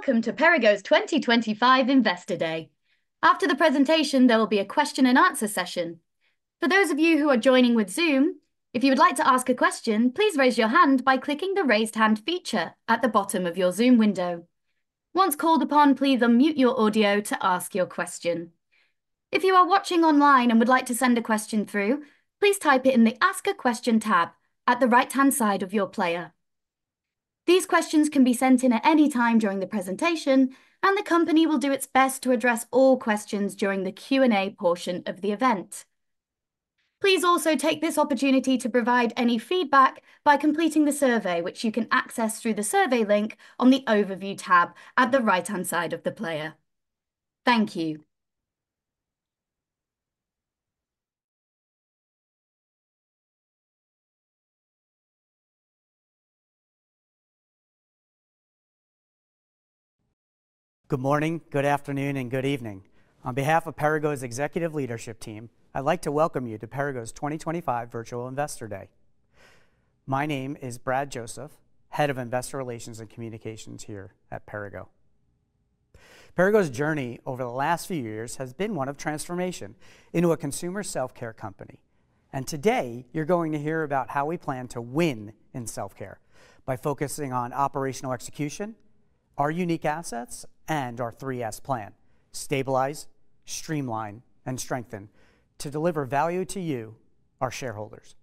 Welcome to Perrigo's 2025 Investor Day. After the presentation, there will be a question-and-answer session. For those of you who are joining with Zoom, if you would like to ask a question, please raise your hand by clicking the Raised Hand feature at the bottom of your Zoom window. Once called upon, please unmute your audio to ask your question. If you are watching online and would like to send a question through, please type it in the Ask a Question tab at the right-hand side of your player. These questions can be sent in at any time during the presentation, and the company will do its best to address all questions during the Q&A portion of the event. Please also take this opportunity to provide any feedback by completing the survey, which you can access through the survey link on the Overview tab at the right-hand side of the player. Thank you. Good morning, good afternoon, and good evening. On behalf of Perrigo's executive leadership team, I'd like to welcome you to Perrigo's 2025 Virtual Investor Day. My name is Brad Joseph, Head of Investor Relations and Communications here at Perrigo. Perrigo's journey over the last few years has been one of transformation into a consumer self-care company. And today, you're going to hear about how we plan to win in self-care by focusing on operational execution, our unique assets, and our 3S Plan: Stabilize, Streamline, and Strengthen to deliver value to you, our shareholders.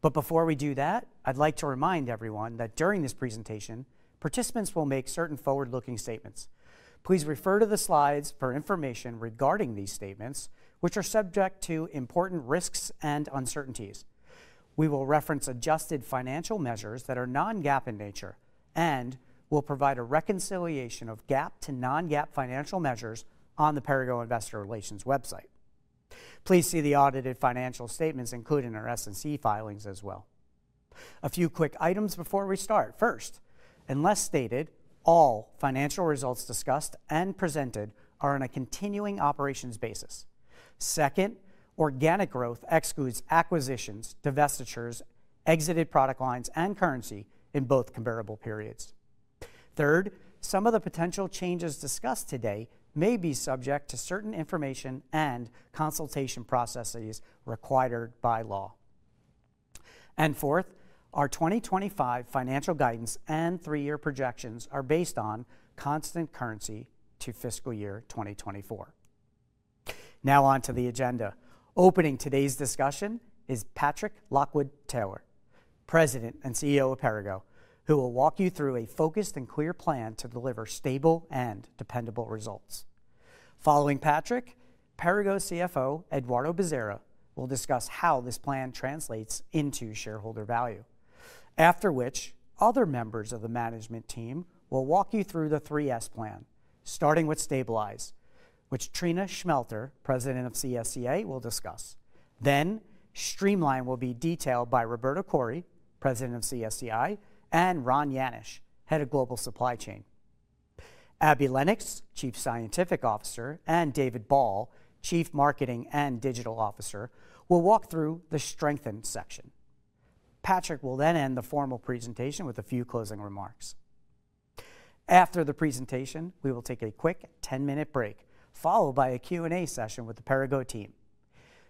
But before we do that, I'd like to remind everyone that during this presentation, participants will make certain forward-looking statements. Please refer to the slides for information regarding these statements, which are subject to important risks and uncertainties. We will reference adjusted financial measures that are non-GAAP in nature and will provide a reconciliation of GAAP to non-GAAP financial measures on the Perrigo Investor Relations website. Please see the audited financial statements, including our SEC filings, as well. A few quick items before we start. First, unless stated, all financial results discussed and presented are on a continuing operations basis. Second, organic growth excludes acquisitions, divestitures, exited product lines, and currency in both comparable periods. Third, some of the potential changes discussed today may be subject to certain information and consultation processes required by law, and fourth, our 2025 financial guidance and three-year projections are based on constant currency to fiscal year 2024. Now on to the agenda. Opening today's discussion is Patrick Lockwood-Taylor, President and CEO of Perrigo, who will walk you through a focused and clear plan to deliver stable and dependable results. Following Patrick, Perrigo CFO Eduardo Bezerra will discuss how this plan translates into shareholder value, after which other members of the management team will walk you through the 3S plan, starting with Stabilize, which Triona Schmelter, President of CSCA, will discuss. Then Streamline will be detailed by Roberto Khoury, President of CSCI, and Ron Janish, Head of Global Supply Chain. Abbie Lennox, Chief Scientific Officer, and David Ball, Chief Marketing and Digital Officer, will walk through the Strengthen section. Patrick will then end the formal presentation with a few closing remarks. After the presentation, we will take a quick 10-minute break, followed by a Q&A session with the Perrigo team.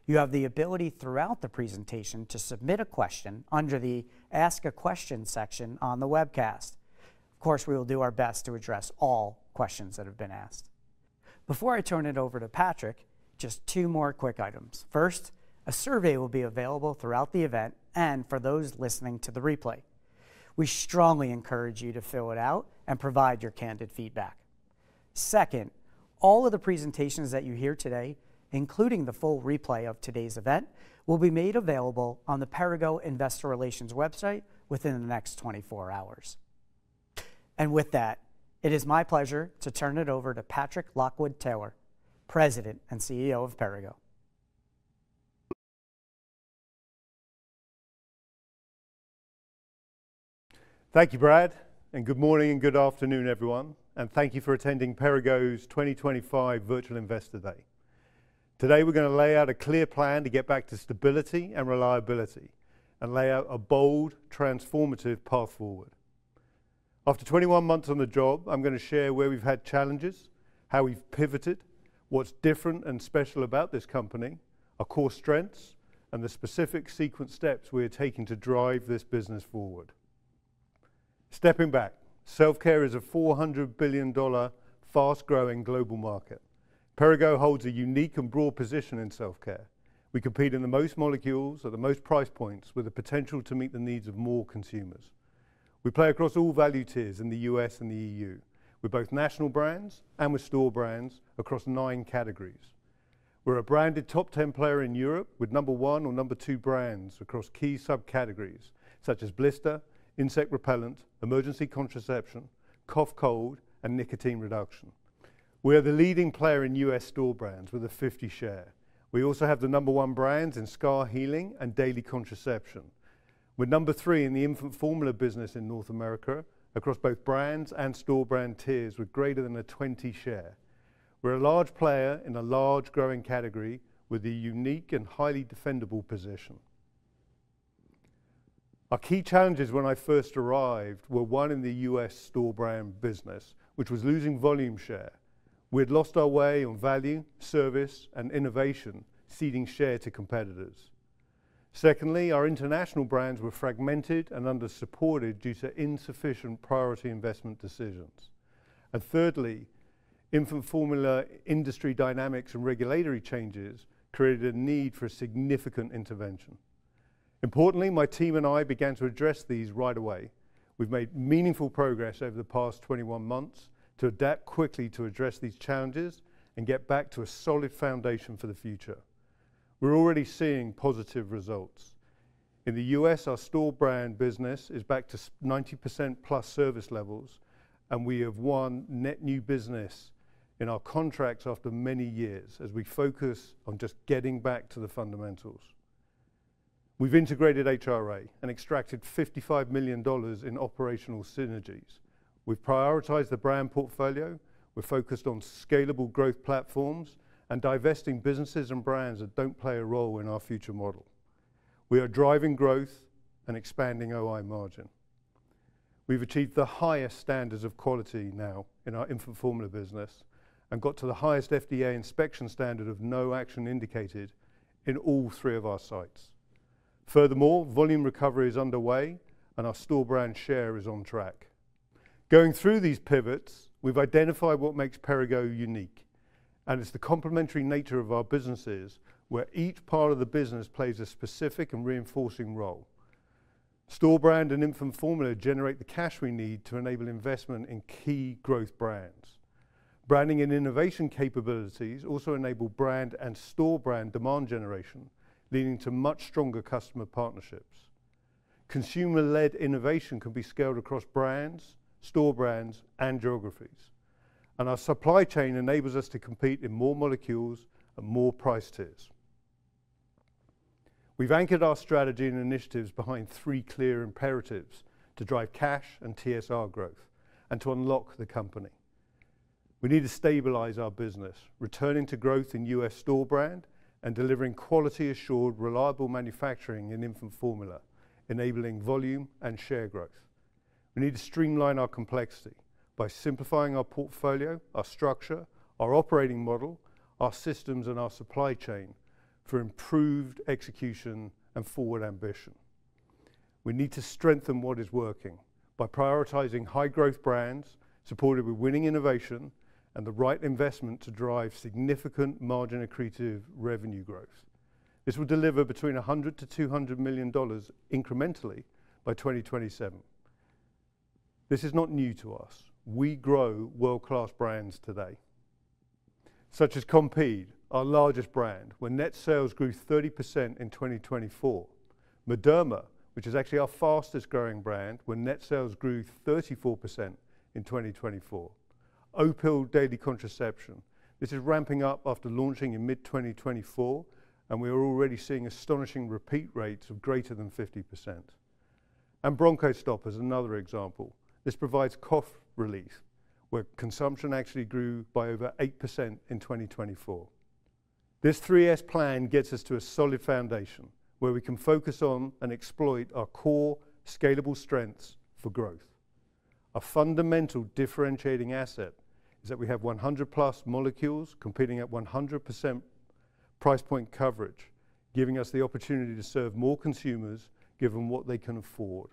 You have the ability throughout the presentation to submit a question under the Ask a Question section on the webcast. Of course, we will do our best to address all questions that have been asked. Before I turn it over to Patrick, just two more quick items. First, a survey will be available throughout the event and for those listening to the replay. We strongly encourage you to fill it out and provide your candid feedback. Second, all of the presentations that you hear today, including the full replay of today's event, will be made available on the Perrigo Investor Relations website within the next 24 hours. And with that, it is my pleasure to turn it over to Patrick Lockwood-Taylor, President and CEO of Perrigo. Thank you, Brad, and good morning and good afternoon, everyone, and thank you for attending Perrigo's 2025 Virtual Investor Day. Today, we're going to lay out a clear plan to get back to stability and reliability and lay out a bold, transformative path forward. After 21 months on the job, I'm going to share where we've had challenges, how we've pivoted, what's different and special about this company, our core strengths, and the specific sequence steps we're taking to drive this business forward. Stepping back, self-care is a $400 billion fast-growing global market. Perrigo holds a unique and broad position in self-care. We compete in the most molecules at the most price points with the potential to meet the needs of more consumers. We play across all value tiers in the U.S. and the EU. We're both national brands and we're store brands across nine categories. We're a branded top 10 player in Europe with number one or number two brands across key subcategories such as blister, insect repellent, emergency contraception, cough cold, and nicotine reduction. We are the leading player in U.S. store brands with a 50 share. We also have the number one brands in scar healing and daily contraception. We're number three in the infant formula business in North America across both brands and store brand tiers with greater than a 20 share. We're a large player in a large growing category with a unique and highly defendable position. Our key challenges when I first arrived were one in the U.S. store brand business, which was losing volume share. We had lost our way on value, service, and innovation, ceding share to competitors. Secondly, our international brands were fragmented and under-supported due to insufficient priority investment decisions. And thirdly, infant formula industry dynamics and regulatory changes created a need for significant intervention. Importantly, my team and I began to address these right away. We've made meaningful progress over the past 21 months to adapt quickly to address these challenges and get back to a solid foundation for the future. We're already seeing positive results. In the U.S., our store brand business is back to 90% plus service levels, and we have one net new business in our contracts after many years as we focus on just getting back to the fundamentals. We've integrated HRA and extracted $55 million in operational synergies. We've prioritized the brand portfolio. We're focused on scalable growth platforms and divesting businesses and brands that don't play a role in our future model. We are driving growth and expanding OI margin. We've achieved the highest standards of quality now in infant formula business and got to the highest FDA inspection standard of No Action Indicated in all three of our sites. Furthermore, volume recovery is underway, and our store brand share is on track. Going through these pivots, we've identified what makes Perrigo unique, and it's the complementary nature of our businesses where each part of the business plays a specific and reinforcing role. Store brand infant formula generate the cash we need to enable investment in key growth brands. Branding and innovation capabilities also enable brand and store brand demand generation, leading to much stronger customer partnerships. Consumer-led innovation can be scaled across brands, store brands, and geographies, and our supply chain enables us to compete in more molecules and more price tiers. We've anchored our strategy and initiatives behind three clear imperatives to drive cash and TSR growth and to unlock the company. We need to stabilize our business, returning to growth in U.S. store brand and delivering quality-assured, reliable manufacturing infant formula, enabling volume and share growth. We need to streamline our complexity by simplifying our portfolio, our structure, our operating model, our systems, and our supply chain for improved execution and forward ambition. We need to strengthen what is working by high-growth brands supported with winning innovation and the right investment to drive significant margin-accretive revenue growth. This will deliver between $100-$200 million incrementally by 2027. This is not new to us. We grow world-class brands today, such as Compeed, our largest brand, where net sales grew 30% in 2024. Mederma, which is actually our fastest-growing brand, where net sales grew 34% in 2024. Opill daily contraception. This is ramping up after launching in mid-2024, and we are already seeing astonishing repeat rates of greater than 50%, and Bronchostop is another example. This provides cough relief, where consumption actually grew by over 8% in 2024. This 3S plan gets us to a solid foundation where we can focus on and exploit our core scalable strengths for growth. Our fundamental differentiating asset is that we have 100-plus molecules competing at 100% price point coverage, giving us the opportunity to serve more consumers given what they can afford.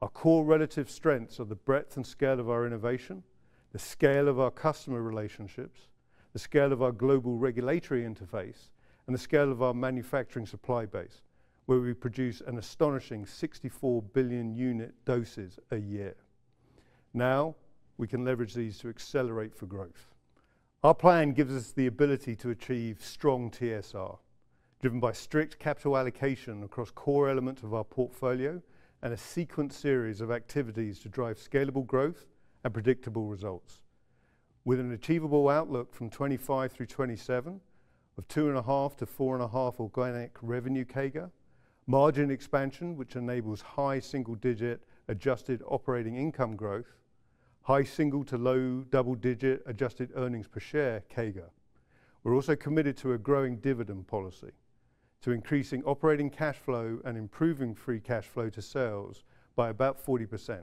Our core relative strengths are the breadth and scale of our innovation, the scale of our customer relationships, the scale of our global regulatory interface, and the scale of our manufacturing supply base, where we produce an astonishing 64 billion unit doses a year. Now we can leverage these to accelerate for growth. Our plan gives us the ability to achieve strong TSR, driven by strict capital allocation across core elements of our portfolio and a sequence series of activities to drive scalable growth and predictable results, with an achievable outlook from 2025 through 2027 of 2.5%-4.5% organic revenue CAGR, margin expansion, which enables high single-digit adjusted operating income growth, high single- to low double-digit adjusted earnings per share CAGR. We're also committed to a growing dividend policy, to increasing operating cash flow and improving free cash flow to sales by about 40%,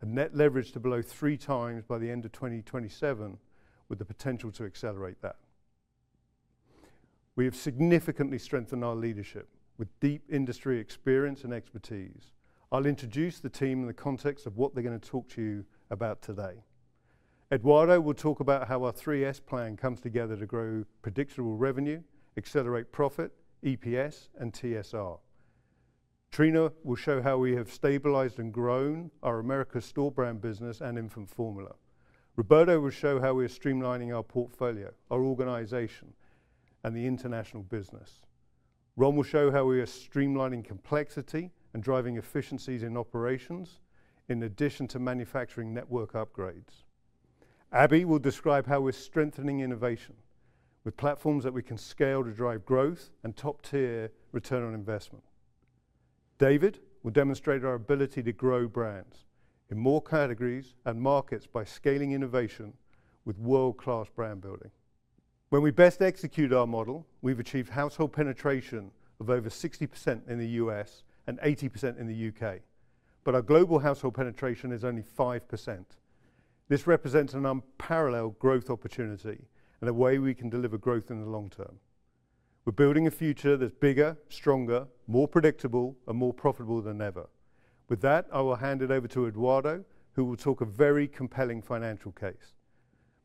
and net leverage to below three times by the end of 2027, with the potential to accelerate that. We have significantly strengthen our leadership with deep industry experience and expertise. I'll introduce the team in the context of what they're going to talk to you about today. Eduardo will talk about how our 3S Plan comes together to grow predictable revenue, accelerate profit, EPS, and TSR. Triona will show how we have stabilized and grown our Americas store brand business infant formula. Roberto will show how we are streamlining our portfolio, our organization, and the international business. Ron will show how we are streamlining complexity and driving efficiencies in operations in addition to manufacturing network upgrades. Abbie will describe how we're strengthening innovation with platforms that we can scale to drive growth and top-tier return on investment. David will demonstrate our ability to grow brands in more categories and markets by scaling innovation with world-class brand building. When we best execute our model, we've achieved household penetration of over 60% in the U.S. and 80% in the U.K., but our global household penetration is only 5%. This represents an unparalleled growth opportunity and a way we can deliver growth in the long term. We're building a future that's bigger, stronger, more predictable, and more profitable than ever. With that, I will hand it over to Eduardo, who will talk a very compelling financial case.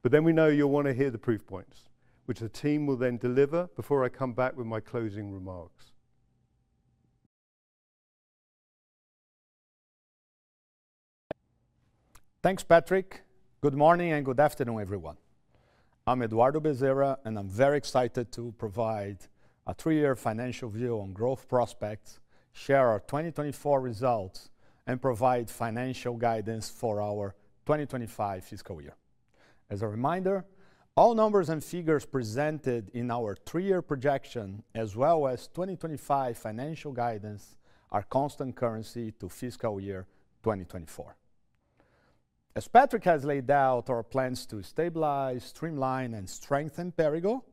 But then we know you'll want to hear the proof points, which the team will then deliver before I come back with my closing remarks. Thanks, Patrick. Good morning and good afternoon, everyone. I'm Eduardo Bezerra, and I'm very excited to provide a three-year financial view on growth prospects, share our 2024 results, and provide financial guidance for our 2025 fiscal year. As a reminder, all numbers and figures presented in our three-year projection, as well as 2025 financial guidance, are constant currency to fiscal year 2024. As Patrick has laid out our plans to Stabilize, Streamline, and Strengthen Perrigo,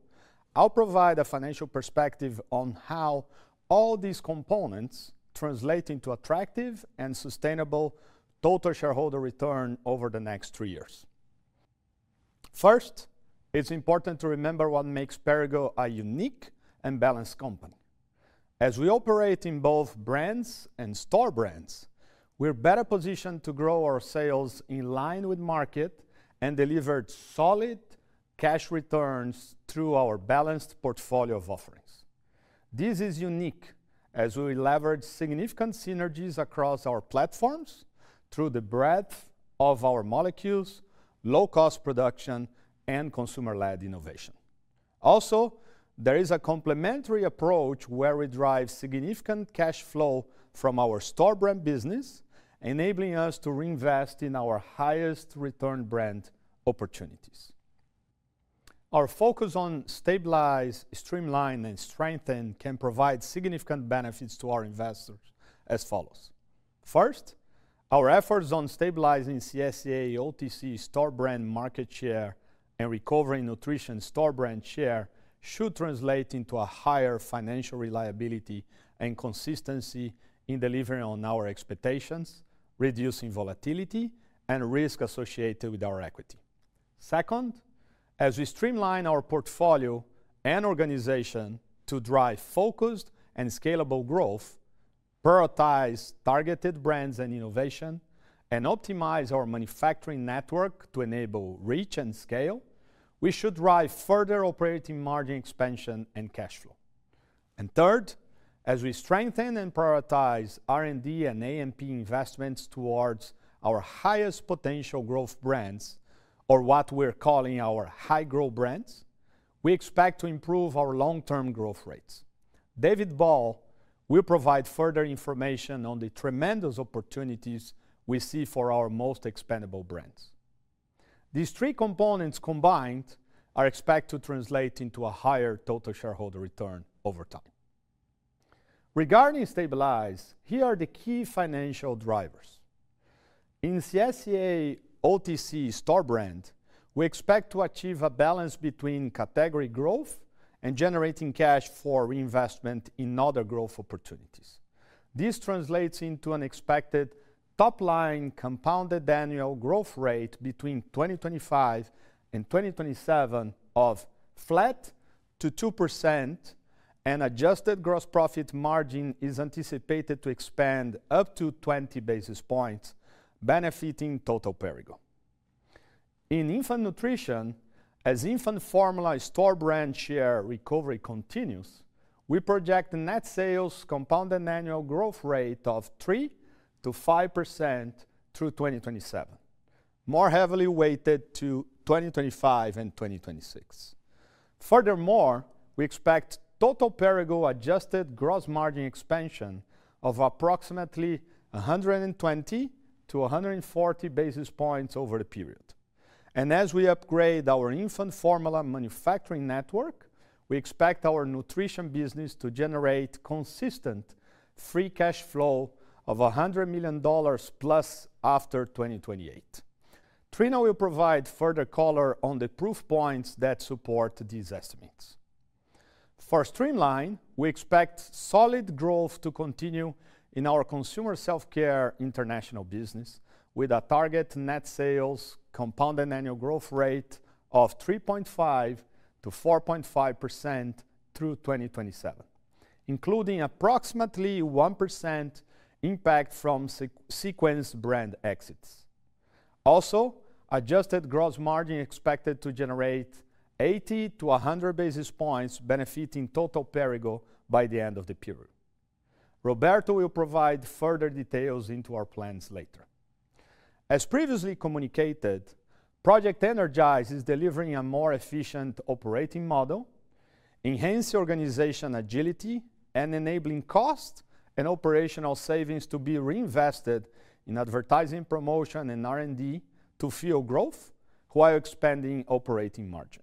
I'll provide a financial perspective on how all these components translate into attractive and sustainable total shareholder return over the next three years. First, it's important to remember what makes Perrigo a unique and balanced company. As we operate in both brands and store brands, we're better positioned to grow our sales in line with market and deliver solid cash returns through our balanced portfolio of offerings. This is unique as we leverage significant synergies across our platforms through the breadth of our molecules, low-cost production, and consumer-led innovation. Also, there is a complementary approach where we drive significant cash flow from our store brand business, enabling us to reinvest in our highest return brand opportunities. Our focus on Stabilize, Streamline, and Strengthen can provide significant benefits to our investors as follows. First, our efforts on Stabilizing CSCA, OTC store brand market share and recovering nutrition store brand share should translate into a higher financial reliability and consistency in delivering on our expectations, reducing volatility and risk associated with our equity. Second, as we Streamline our portfolio and organization to drive focused and scalable growth, prioritize targeted brands and innovation, and optimize our manufacturing network to enable reach and scale, we should drive further operating margin expansion and cash flow. Third, as we Strengthen and prioritize R&D and A&P investments towards our highest potential growth brands, or what we're calling our high-growth brands, we expect to improve our long-term growth rates. David Ball will provide further information on the tremendous opportunities we see for our most expandable brands. These three components combined are expected to translate into a higher total shareholder return over time. Regarding Stabilize, here are the key financial drivers. In CSCA, OTC store brand, we expect to achieve a balance between category growth and generating cash for reinvestment in other growth opportunities. This translates into an expected top-line compounded annual growth rate between 2025 and 2027 of flat to 2%, and adjusted gross profit margin is anticipated to expand up to 20 basis points, benefiting total Perrigo. In Infant Nutrition, infant formula store brand share recovery continues, we project net sales compound annual growth rate of 3%-5% through 2027, more heavily weighted to 2025 and 2026. Furthermore, we expect total Perrigo adjusted gross margin expansion of approximately 120-140 basis points over the period. And as we upgrade infant formula manufacturing network, we expect our Nutrition business to generate consistent free cash flow of $100 million plus after 2028. Triona will provide further color on the proof points that support these estimates. For Streamline, we expect solid growth to continue in our consumer self-care international business with a target net sales compound annual growth rate of 3.5%-4.5% through 2027, including approximately 1% impact from sequence brand exits. Also, adjusted gross margin expected to generate 80-100 basis points benefiting total Perrigo by the end of the period. Roberto will provide further details into our plans later. As previously communicated, Project Energize is delivering a more efficient operating model, enhancing organization agility and enabling cost and operational savings to be reinvested in advertising, promotion, and R&D to fuel growth while expanding operating margin.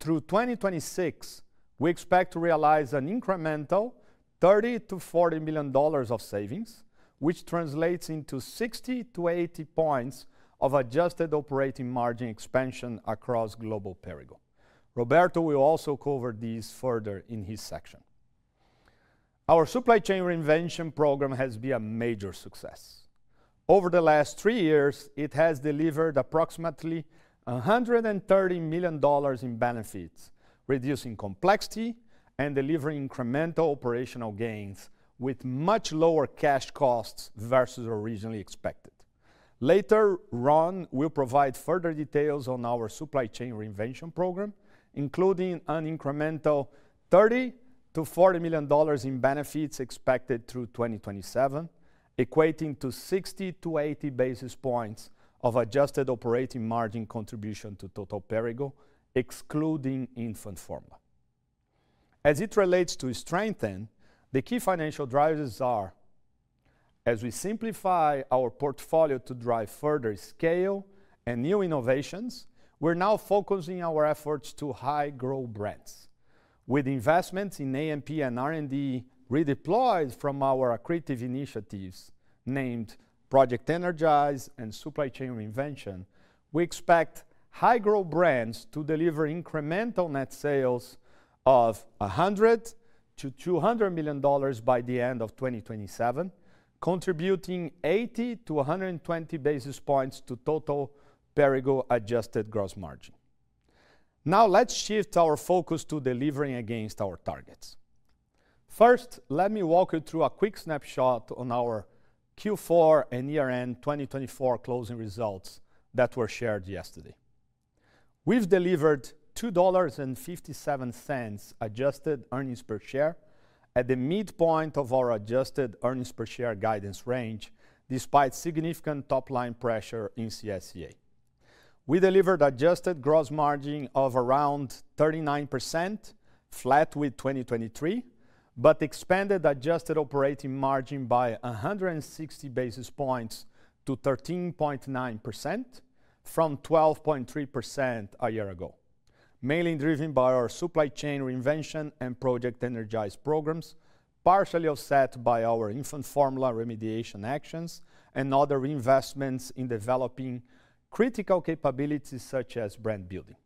Through 2026, we expect to realize an incremental $30-$40 million of savings, which translates into 60-80 points of adjusted operating margin expansion across global Perrigo. Roberto will also cover these further in his section. Our Supply Chain Reinvention program has been a major success. Over the last three years, it has delivered approximately $130 million in benefits, reducing complexity and delivering incremental operational gains with much lower cash costs versus originally expected. Later, Ron will provide further details on our Supply Chain Reinvention program, including an incremental $30-$40 million in benefits expected through 2027, equating to 60-80 basis points of adjusted operating margin contribution to total Perrigo, infant formula. As it relates to strengthen, the key financial drivers are, as we simplify our portfolio to drive further scale and new innovations, we're now focusing our efforts high-growth brands. With investments in A&P and R&D redeployed from our accretive initiatives named Project Energize and Supply Chain Reinvention, we high-growth brands to deliver incremental net sales of $100-$200 million by the end of 2027, contributing 80-120 basis points to total Perrigo adjusted gross margin. Now, let's shift our focus to delivering against our targets. First, let me walk you through a quick snapshot on our Q4 and year-end 2024 closing results that were shared yesterday. We've delivered $2.57 adjusted earnings per share at the midpoint of our adjusted earnings per share guidance range, despite significant top-line pressure in CSCA. We delivered adjusted gross margin of around 39%, flat with 2023, but expanded adjusted operating margin by 160 basis points to 13.9% from 12.3% a year ago, mainly driven by our Supply Chain Reinvention and Project Energize programs, partially offset by infant formula remediation actions and other reinvestments in developing critical capabilities such as brand building.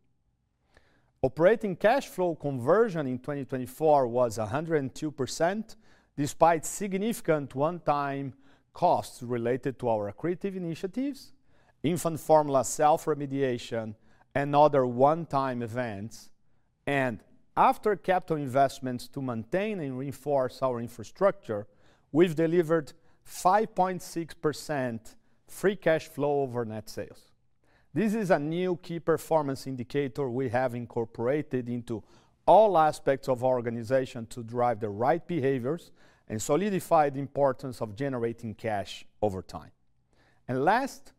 Operating cash flow conversion in 2024 was 102%, despite significant one-time costs related to our accretive infant formula self-remediation, and other one-time events, and after capital investments to maintain and reinforce our infrastructure, we've delivered 5.6% free cash flow over net sales. This is a new key performance indicator we have incorporated into all aspects of our organization to drive the right behaviors and solidify the importance of generating cash over time. Last,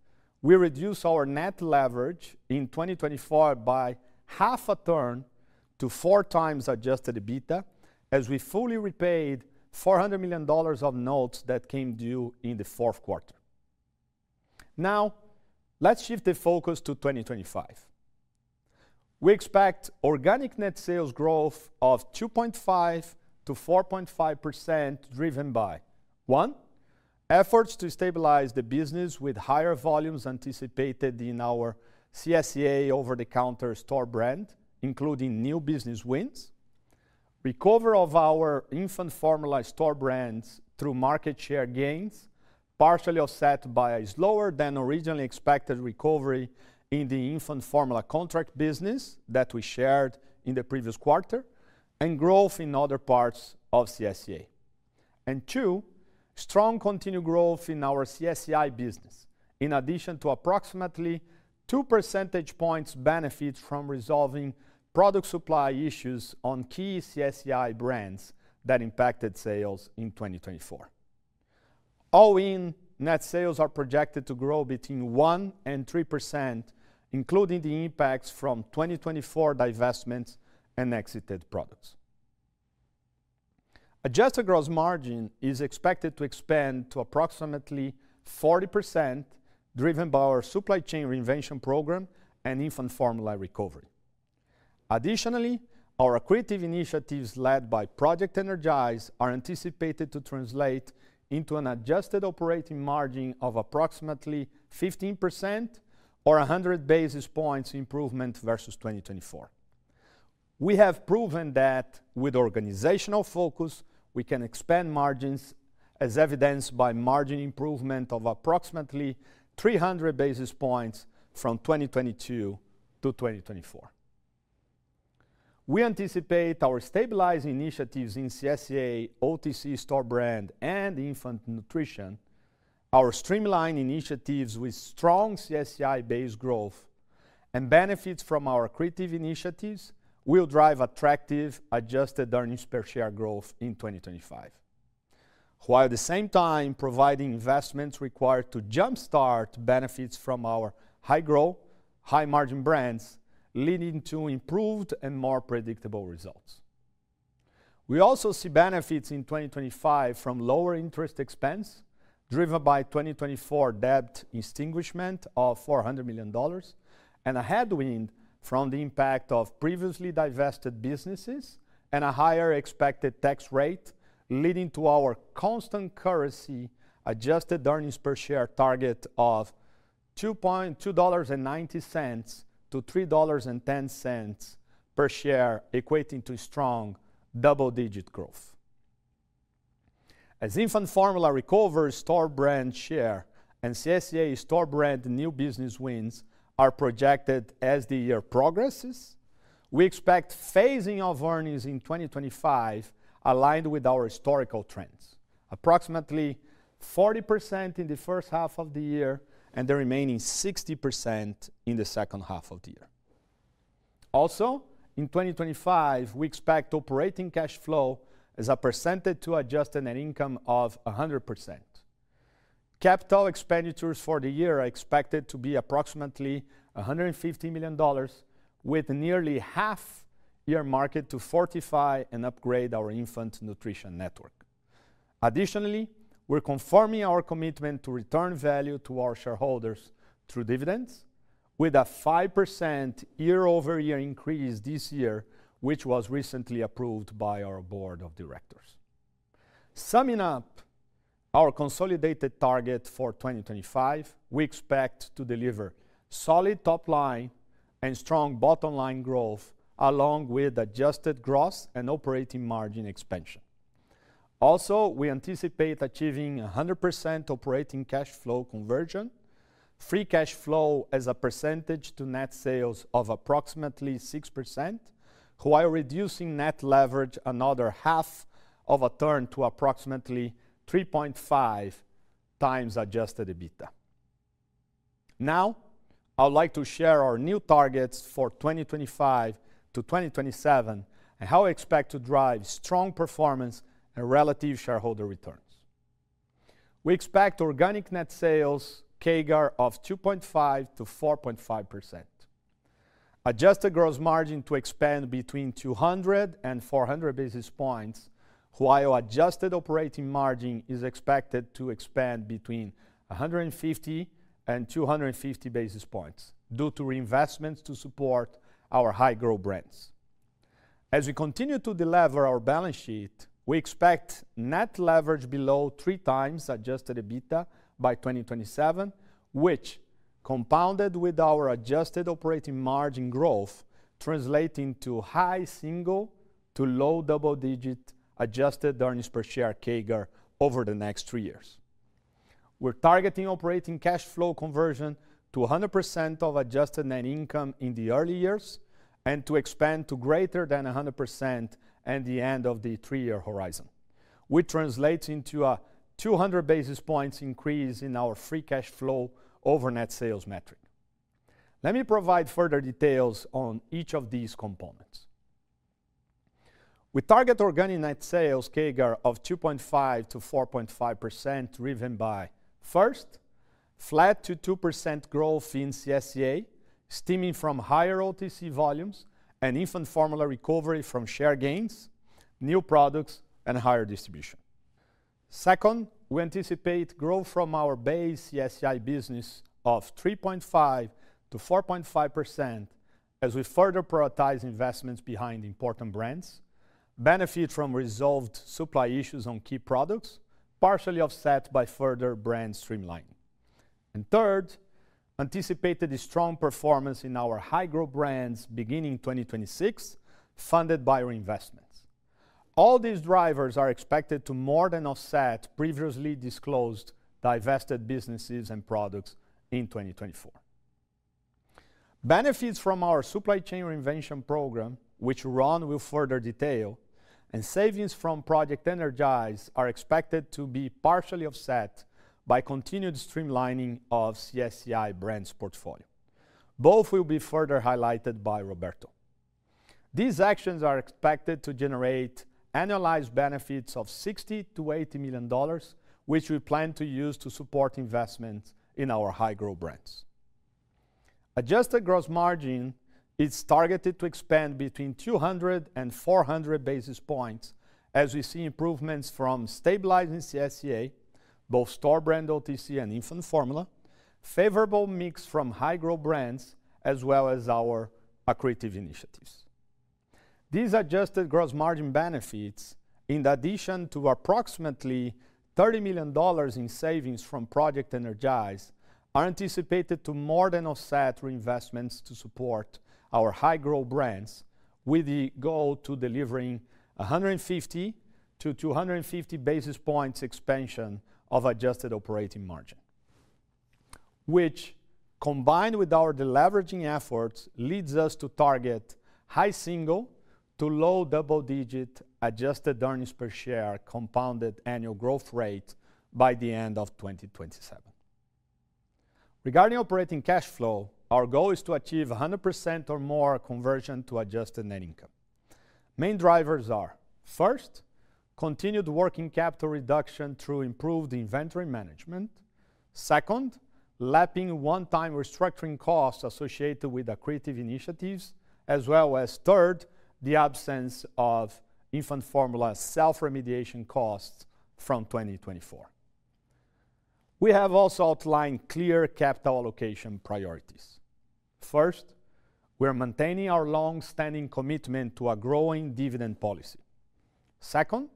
we reduced our net leverage in 2024 by 0.5 turn to 4x adjusted EBITDA as we fully repaid $400 million of notes that came due in the fourth quarter. Now, let's shift the focus to 2025. We expect organic net sales growth of 2.5%-4.5% driven by, one, efforts to stabilize the business with higher volumes anticipated in our CSCA over-the-counter store brand, including new business wins, recovery of infant formula store brands through market share gains, partially offset by a slower than originally expected recovery in infant formula contract business that we shared in the previous quarter, and growth in other parts of CSCA. And two, strong continued growth in our CSCI business, in addition to approximately 2 percentage points benefits from resolving product supply issues on key CSCI brands that impacted sales in 2024. All in, net sales are projected to grow between 1% and 3%, including the impacts from 2024 divestments and exited products. Adjusted gross margin is expected to expand to approximately 40%, driven by our Supply Chain Reinvention program infant formula recovery. Additionally, our accretive initiatives led by Project Energize are anticipated to translate into an adjusted operating margin of approximately 15% or 100 basis points improvement versus 2024. We have proven that with organizational focus, we can expand margins, as evidenced by margin improvement of approximately 300 basis points from 2022-2024. We anticipate our Stabilizing initiatives in CSCA, OTC store brand, and Infant Nutrition, our Streamline initiatives with strong CSCI-based growth and benefits from our accretive initiatives will drive attractive adjusted earnings per share growth in 2025, while at the same time providing investments required to jumpstart benefits from our high-growth, high-margin brands, leading to improved and more predictable results. We also see benefits in 2025 from lower interest expense, driven by 2024 debt extinguishment of $400 million, and a headwind from the impact of previously divested businesses and a higher expected tax rate, leading to our constant currency adjusted earnings per share target of $2.90-$3.10 per share, equating to strong double-digit growth. infant formula recovers store brand share and CSCA store brand new business wins are projected as the year progresses, we expect phasing of earnings in 2025 aligned with our historical trends, approximately 40% in the first half of the year and the remaining 60% in the second half of the year. Also, in 2025, we expect operating cash flow as a percentage to adjusted net income of 100%. Capital expenditures for the year are expected to be approximately $150 million, with nearly half earmarked to fortify and upgrade our Infant Nutrition network. Additionally, we're confirming our commitment to return value to our shareholders through dividends, with a 5% year-over-year increase this year, which was recently approved by our board of directors. Summing up our consolidated target for 2025, we expect to deliver solid top-line and strong bottom-line growth, along with adjusted gross and operating margin expansion. Also, we anticipate achieving 100% operating cash flow conversion, free cash flow as a percentage to net sales of approximately 6%, while reducing net leverage another half of a turn to approximately 3.5 times adjusted EBITDA. Now, I would like to share our new targets for 2025-2027 and how we expect to drive strong performance and relative shareholder returns. We expect organic net sales CAGR of 2.5%-4.5%, adjusted gross margin to expand between 200 and 400 basis points, while adjusted operating margin is expected to expand between 150 and 250 basis points due to reinvestments to support high-growth brands. As we continue to deliver our balance sheet, we expect net leverage below three times adjusted EBITDA by 2027, which, compounded with our adjusted operating margin growth, translating into high single to low double-digit adjusted earnings per share CAGR over the next three years. We're targeting operating cash flow conversion to 100% of adjusted net income in the early years and to expand to greater than 100% at the end of the three-year horizon, which translates into a 200 basis points increase in our free cash flow over net sales metric. Let me provide further details on each of these components. We target organic net sales CAGR of 2.5%-4.5% driven by, first, flat to 2% growth in CSCA, stemming from higher OTC volumes infant formula recovery from share gains, new products, and higher distribution. Second, we anticipate growth from our base CSCI business of 3.5%-4.5% as we further prioritize investments behind important brands, benefit from resolved supply issues on key products, partially offset by further brand streamlining. And third, anticipated strong performance in high-growth brands beginning 2026, funded by our investments. All these drivers are expected to more than offset previously disclosed divested businesses and products in 2024. Benefits from our Supply Chain Reinvention program, which Ron will further detail, and savings from Project Energize are expected to be partially offset by continued streamlining of CSCI brand's portfolio. Both will be further highlighted by Roberto. These actions are expected to generate annualized benefits of $60-$80 million, which we plan to use to support investments in high-growth brands. Adjusted gross margin is targeted to expand between 200 and 400 basis points as we see improvements from stabilizing CSCA, both store brand OTC infant formula, favorable mix high-growth brands, as well as our accretive initiatives. These adjusted gross margin benefits, in addition to approximately $30 million in savings from Project Energize, are anticipated to more than offset reinvestments to support high-growth brands, with the goal to delivering 150-250 basis points expansion of adjusted operating margin, which, combined with our deleveraging efforts, leads us to target high single to low double-digit adjusted earnings per share compounded annual growth rate by the end of 2027. Regarding operating cash flow, our goal is to achieve 100% or more conversion to adjusted net income. Main drivers are, first, continued working capital reduction through improved inventory management. Second, lapping one-time restructuring costs associated with accretive initiatives, as well as, third, the absence infant formula self-remediation costs from 2024. We have also outlined clear capital allocation priorities. First, we are maintaining our long-standing commitment to a growing dividend policy. Second,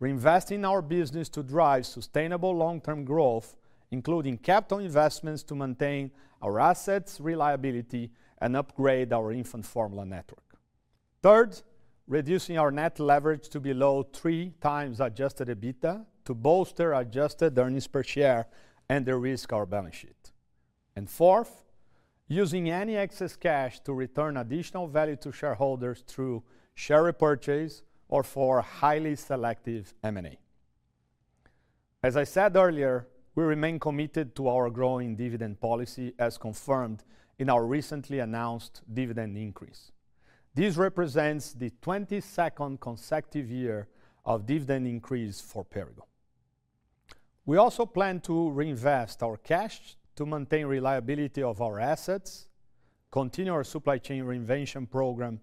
reinvesting in our business to drive sustainable long-term growth, including capital investments to maintain our assets' reliability and upgrade infant formula network. Third, reducing our net leverage to below three times adjusted EBITDA to bolster adjusted earnings per share and reduce the risk to our balance sheet. Fourth, using any excess cash to return additional value to shareholders through share repurchase or for highly selective M&A. As I said earlier, we remain committed to our growing dividend policy, as confirmed in our recently announced dividend increase. This represents the 22nd consecutive year of dividend increase for Perrigo. We also plan to reinvest our cash to maintain reliability of our assets, continue our Supply Chain Reinvention program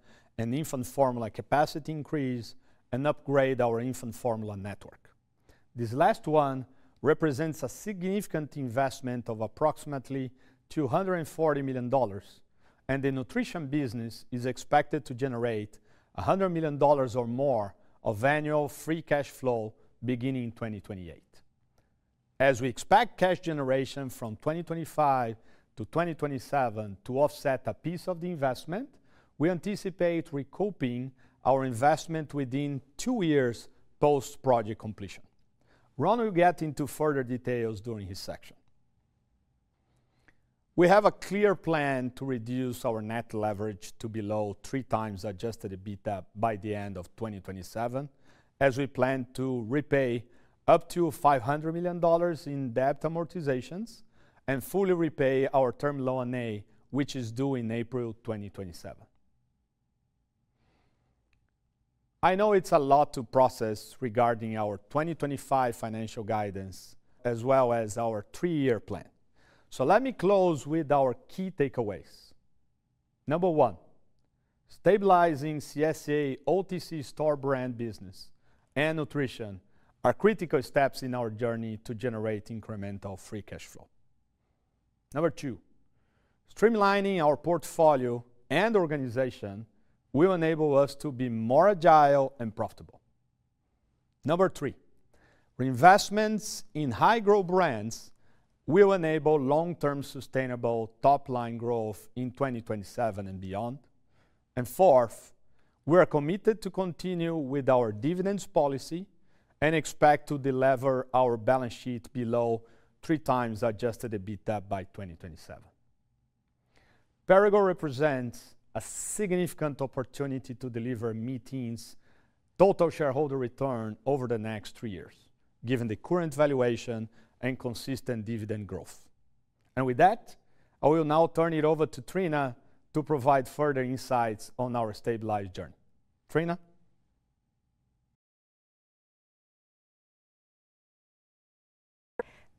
infant formulacapacity increase, and upgrade infant formula network. This last one represents a significant investment of approximately $240 million, and the Nutrition business is expected to generate $100 million or more of annual free cash flow beginning 2028. As we expect cash generation from 2025-2027 to offset a piece of the investment, we anticipate recouping our investment within two years post-project completion. Ron will get into further details during his section. We have a clear plan to reduce our net leverage to below 3 times adjusted EBITDA by the end of 2027, as we plan to repay up to $500 million in debt amortizations and fully repay our Term Loan A, which is due in April 2027. I know it's a lot to process regarding our 2025 financial guidance, as well as our three-year plan. So let me close with our key takeaways. Number one, stabilizing CSCA OTC store brand business and Nutrition are critical steps in our journey to generate incremental free cash flow. Number two, streamlining our portfolio and organization will enable us to be more agile and profitable. Number three, reinvestments high-growth brands will enable long-term sustainable top-line growth in 2027 and beyond. Fourth, we are committed to continue with our dividend policy and expect to delever our balance sheet below three times adjusted EBITDA by 2027. Perrigo represents a significant opportunity to deliver meaningful total shareholder return over the next three years, given the current valuation and consistent dividend growth. With that, I will now turn it over to Triona to provide further insights on our Stabilize journey. Triona.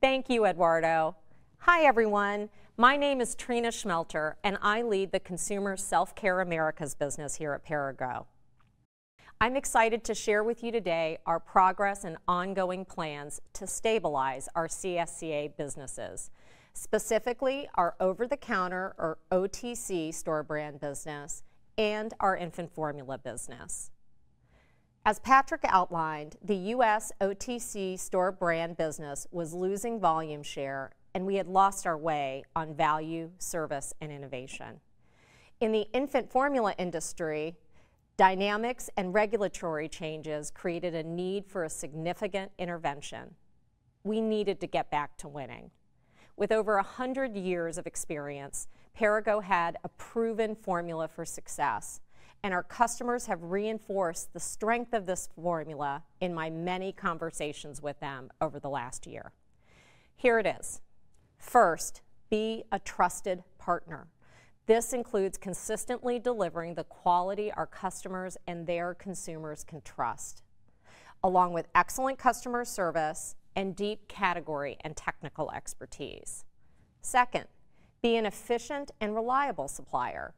Thank you, Eduardo. Hi, everyone. My name is Triona Schmelter, and I lead the Consumer Self-Care Americas business here at Perrigo. I'm excited to share with you today our progress and ongoing plans to stabilize our CSCA businesses, specifically our over-the-counter, or OTC, store brand business and infant formula business. As Patrick outlined, the U.S. OTC store brand business was losing volume share, and we had lost our way on value, service, and innovation. In infant formula industry, dynamics and regulatory changes created a need for a significant intervention. We needed to get back to winning. With over 100 years of experience, Perrigo had a proven formula for success, and our customers have reinforced the strength of this formula in my many conversations with them over the last year. Here it is. First, be a trusted partner. This includes consistently delivering the quality our customers and their consumers can trust, along with excellent customer service and deep category and technical expertise. Second, be an efficient and reliable supplier.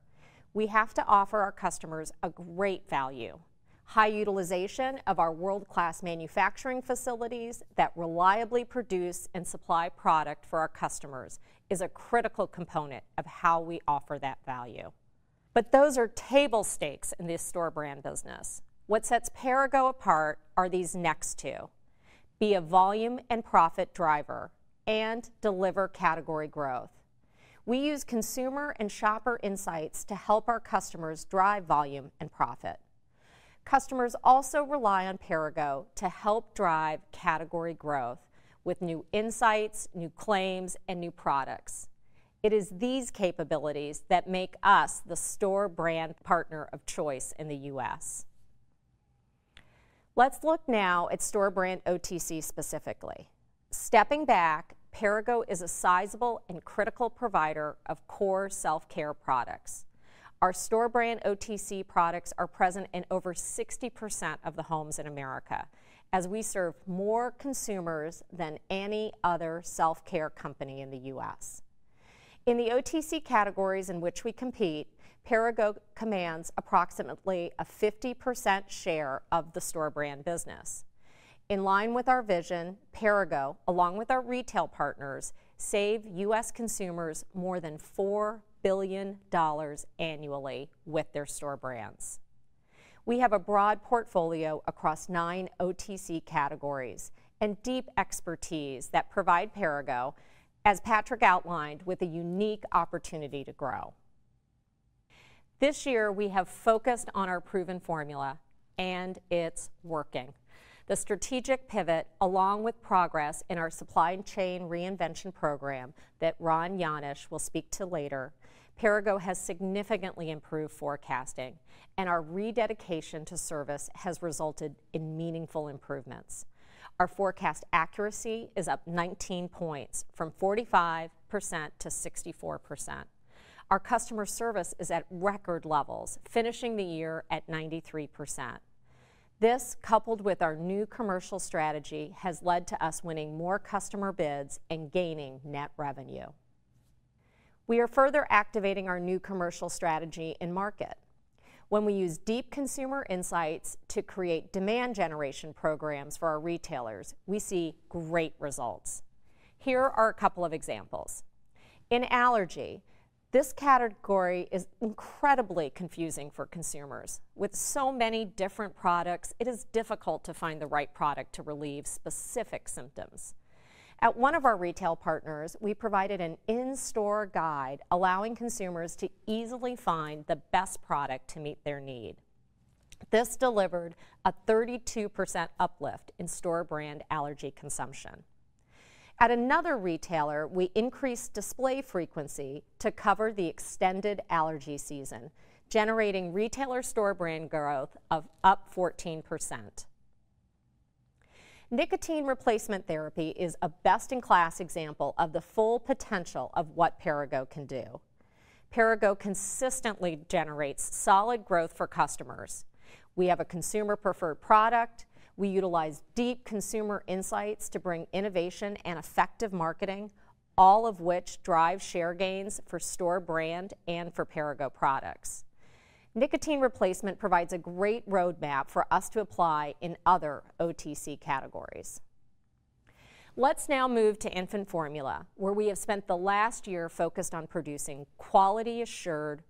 We have to offer our customers a great value. High utilization of our world-class manufacturing facilities that reliably produce and supply product for our customers is a critical component of how we offer that value. But those are table stakes in this store brand business. What sets Perrigo apart are these next two. Be a volume and profit driver and deliver category growth. We use consumer and shopper insights to help our customers drive volume and profit. Customers also rely on Perrigo to help drive category growth with new insights, new claims, and new products. It is these capabilities that make us the store brand partner of choice in the U.S. Let's look now at store brand OTC specifically. Stepping back, Perrigo is a sizable and critical provider of core self-care products. Our store brand OTC products are present in over 60% of the homes in America, as we serve more consumers than any other self-care company in the U.S. In the OTC categories in which we compete, Perrigo commands approximately a 50% share of the store brand business. In line with our vision, Perrigo, along with our retail partners, save U.S. consumers more than $4 billion annually with their store brands. We have a broad portfolio across nine OTC categories and deep expertise that provide Perrigo, as Patrick outlined, with a unique opportunity to grow. This year, we have focused on our proven formula, and it's working. The strategic pivot, along with progress in our Supply Chain Reinvention program that Ron Janish will speak to later. Perrigo has significantly improved forecasting, and our rededication to service has resulted in meaningful improvements. Our forecast accuracy is up 19 points from 45%-64%. Our customer service is at record levels, finishing the year at 93%. This, coupled with our commercial strategy, has led to us winning more customer bids and gaining net revenue. We are further activating our commercial strategy and market. When we use deep consumer insights to create demand generation programs for our retailers, we see great results. Here are a couple of examples. In Allergy, this category is incredibly confusing for consumers. With so many different products, it is difficult to find the right product to relieve specific symptoms. At one of our retail partners, we provided an in-store guide, allowing consumers to easily find the best product to meet their need. This delivered a 32% uplift in store brand allergy consumption. At another retailer, we increased display frequency to cover the extended allergy season, generating retailer store brand growth of up 14%. Nicotine replacement therapy is a best-in-class example of the full potential of what Perrigo can do. Perrigo consistently generates solid growth for customers. We have a consumer-preferred product. We utilize deep consumer insights to bring innovation and effective marketing, all of which drive share gains for store brand and for Perrigo products. Nicotine replacement provides a great roadmap for us to apply in other OTC categories. Let's now move infant formula, where we have spent the last year focused on producing quality-assured,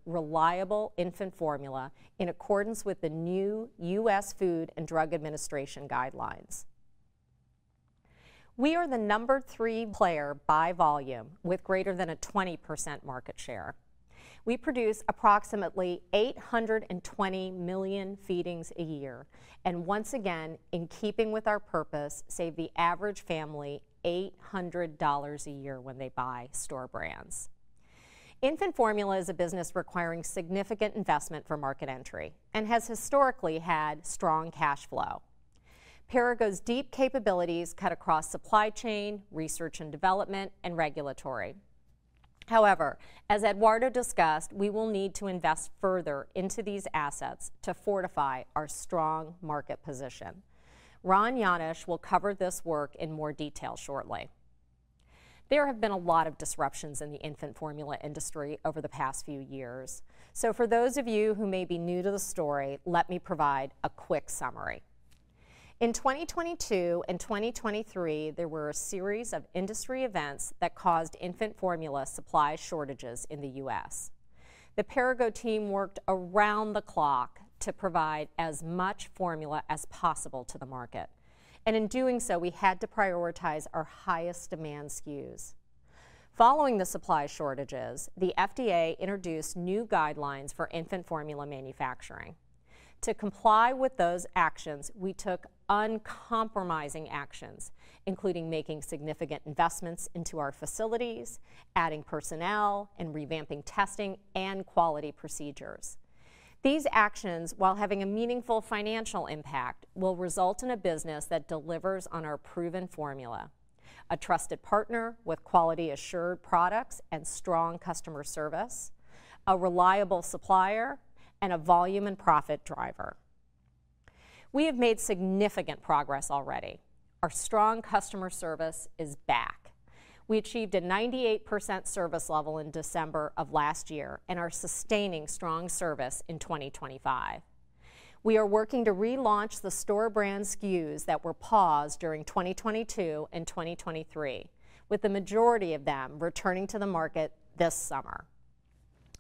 infant formula in accordance with the new U.S. Food and Drug Administration guidelines. We are the number three player by volume, with greater than a 20% market share. We produce approximately 820 million feedings a year, and once again, in keeping with our purpose, save the average family $800 a year when they buy store brands. Infant formula is a business requiring significant investment for market entry and has historically had strong cash flow. Perrigo's deep capabilities cut across supply chain, research and development, and regulatory. However, as Eduardo discussed, we will need to invest further into these assets to fortify our strong market position. Ron Janish will cover this work in more detail shortly. There have been a lot of disruptions in infant formula industry over the past few years. So for those of you who may be new to the story, let me provide a quick summary. In 2022 and 2023, there were a series of industry events that caused infant formula supply shortages in the U.S. The Perrigo team worked around the clock to provide as much formula as possible to the market, and in doing so, we had to prioritize our highest demand SKUs. Following the supply shortages, the FDA introduced new guidelines for infant formula manufacturing. To comply with those actions, we took uncompromising actions, including making significant investments into our facilities, adding personnel, and revamping testing and quality procedures. These actions, while having a meaningful financial impact, will result in a business that delivers on our proven formula: a trusted partner with quality-assured products and strong customer service, a reliable supplier, and a volume and profit driver. We have made significant progress already. Our strong customer service is back. We achieved a 98% service level in December of last year and are sustaining strong service in 2025. We are working to relaunch the store brand SKUs that were paused during 2022 and 2023, with the majority of them returning to the market this summer.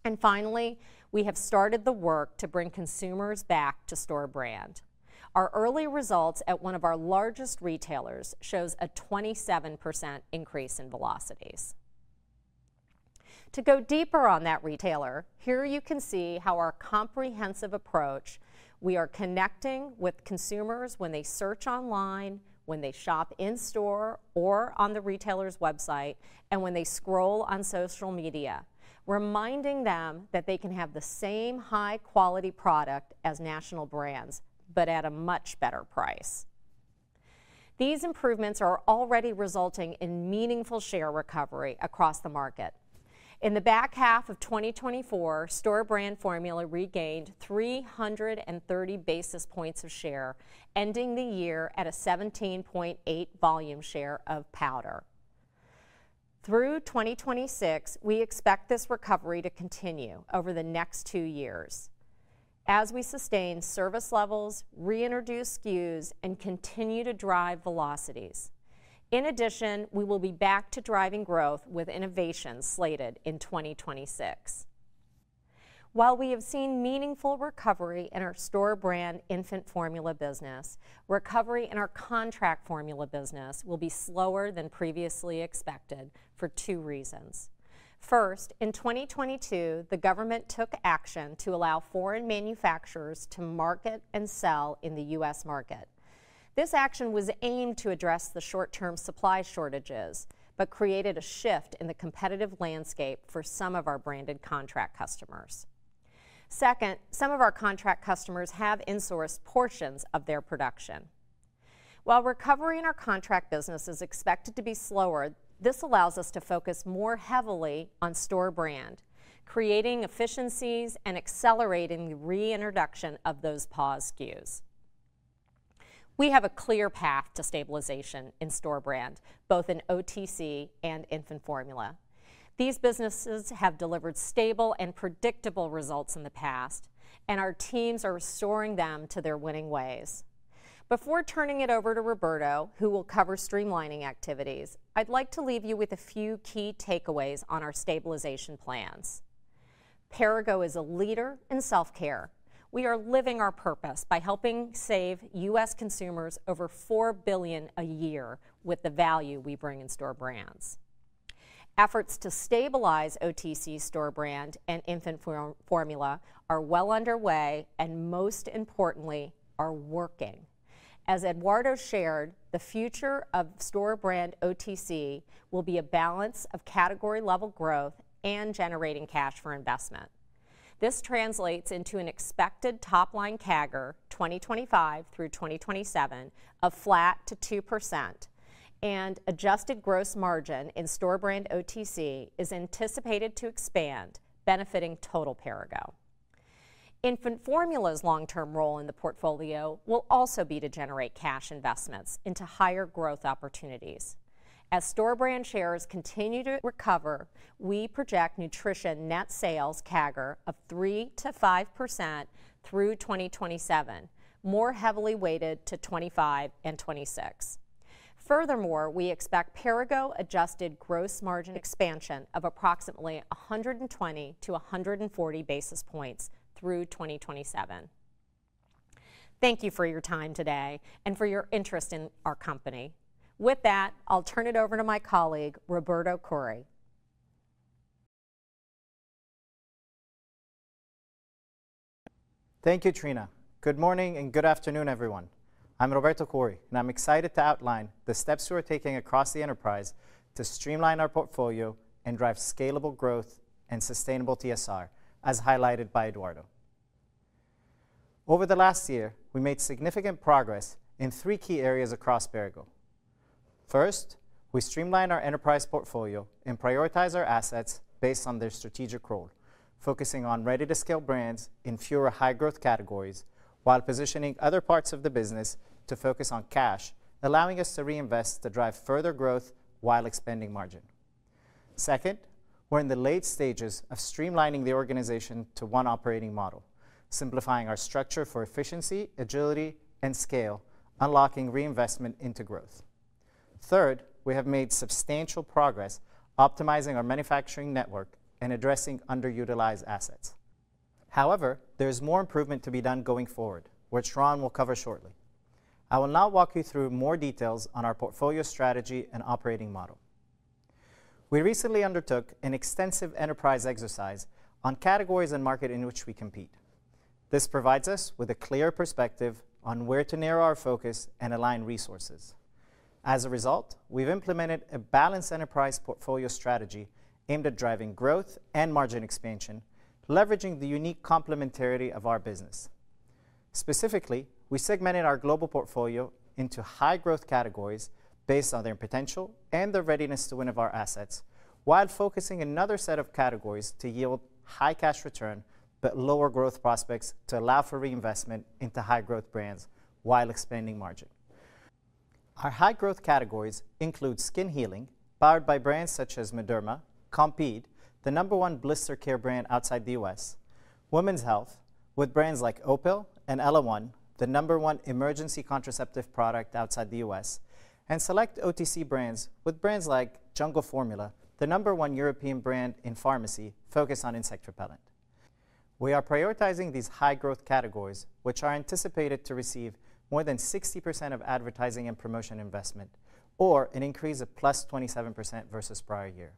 And finally, we have started the work to bring consumers back to store brand. Our early results at one of our largest retailers show a 27% increase in velocities. To go deeper on that retailer, here you can see how our comprehensive approach, we are connecting with consumers when they search online, when they shop in store or on the retailer's website, and when they scroll on social media, reminding them that they can have the same high-quality product as national brands, but at a much better price. These improvements are already resulting in meaningful share recovery across the market. In the back half of 2024, store brand formula regained 330 basis points of share, ending the year at a 17.8 volume share of powder. Through 2026, we expect this recovery to continue over the next two years, as we sustain service levels, reintroduce SKUs, and continue to drive velocities. In addition, we will be back to driving growth with innovation slated in 2026. While we have seen meaningful recovery in our store infant formula business, recovery in our contract formula business will be slower than previously expected for two reasons. First, in 2022, the government took action to allow foreign manufacturers to market and sell in the U.S. market. This action was aimed to address the short-term supply shortages, but created a shift in the competitive landscape for some of our branded contract customers. Second, some of our contract customers have in-source portions of their production. While recovery in our contract business is expected to be slower, this allows us to focus more heavily on store brand, creating efficiencies and accelerating the reintroduction of those pause SKUs. We have a clear path to stabilization in store brand, both in OTC infant formula. These businesses have delivered stable and predictable results in the past, and our teams are restoring them to their winning ways. Before turning it over to Roberto, who will cover Streamlining activities, I'd like to leave you with a few key takeaways on our Stabilization plans. Perrigo is a leader in self-care. We are living our purpose by helping save U.S. consumers over $4 billion a year with the value we bring in store brands. Efforts to stabilize OTC store brand infant formula are well underway, and most importantly, are working. As Eduardo shared, the future of store brand OTC will be a balance of category-level growth and generating cash for investment. This translates into an expected top-line CAGR 2025 through 2027 of flat to 2%, and adjusted gross margin in store brand OTC is anticipated to expand, benefiting total Perrigo. Infant formula's long-term role in the portfolio will also be to generate cash investments into higher growth opportunities. As store brand shares continue to recover, we project nutrition net sales CAGR of 3%-5% through 2027, more heavily weighted to 2025 and 2026. Furthermore, we expect Perrigo adjusted gross margin expansion of approximately 120-140 basis points through 2027. Thank you for your time today and for your interest in our company. With that, I'll turn it over to my colleague, Roberto Khoury. Thank you, Triona. Good morning and good afternoon, everyone. I'm Roberto Khoury, and I'm excited to outline the steps we're taking across the enterprise to streamline our portfolio and drive scalable growth and sustainable TSR, as highlighted by Eduardo. Over the last year, we made significant progress in three key areas across Perrigo. First, we streamlined our enterprise portfolio and prioritized our assets based on their strategic role, focusing on ready-to-scale brands in fewer high-growth categories while positioning other parts of the business to focus on cash, allowing us to reinvest to drive further growth while expanding margin. Second, we're in the late stages of streamlining the organization to one operating model, simplifying our structure for efficiency, agility, and scale, unlocking reinvestment into growth. Third, we have made substantial progress optimizing our manufacturing network and addressing underutilized assets. However, there is more improvement to be done going forward, which Ron will cover shortly. I will now walk you through more details on our portfolio strategy and operating model. We recently undertook an extensive enterprise exercise on categories and markets in which we compete. This provides us with a clear perspective on where to narrow our focus and align resources. As a result, we've implemented a balanced enterprise portfolio strategy aimed at driving growth and margin expansion, leveraging the unique complementarity of our business. Specifically, we segmented our global portfolio into high-growth categories based on their potential and their readiness to win over our assets, while focusing on another set of categories to yield high cash return but lower growth prospects to allow for reinvestment into high-growth brands while expanding margin. Our high-growth categories include skin healing, powered by brands such as Mederma, Compeed, the number one blister care brand outside the U.S. Women's Health, with brands like Opill and ellaOne, the number one emergency contraceptive product outside the U.S. And select OTC brands, with brands like Jungle Formula, the number one European brand in pharmacy focused on insect repellent. We are prioritizing these high-growth categories, which are anticipated to receive more than 60% of advertising and promotion investment, or an increase of plus 27% versus prior year.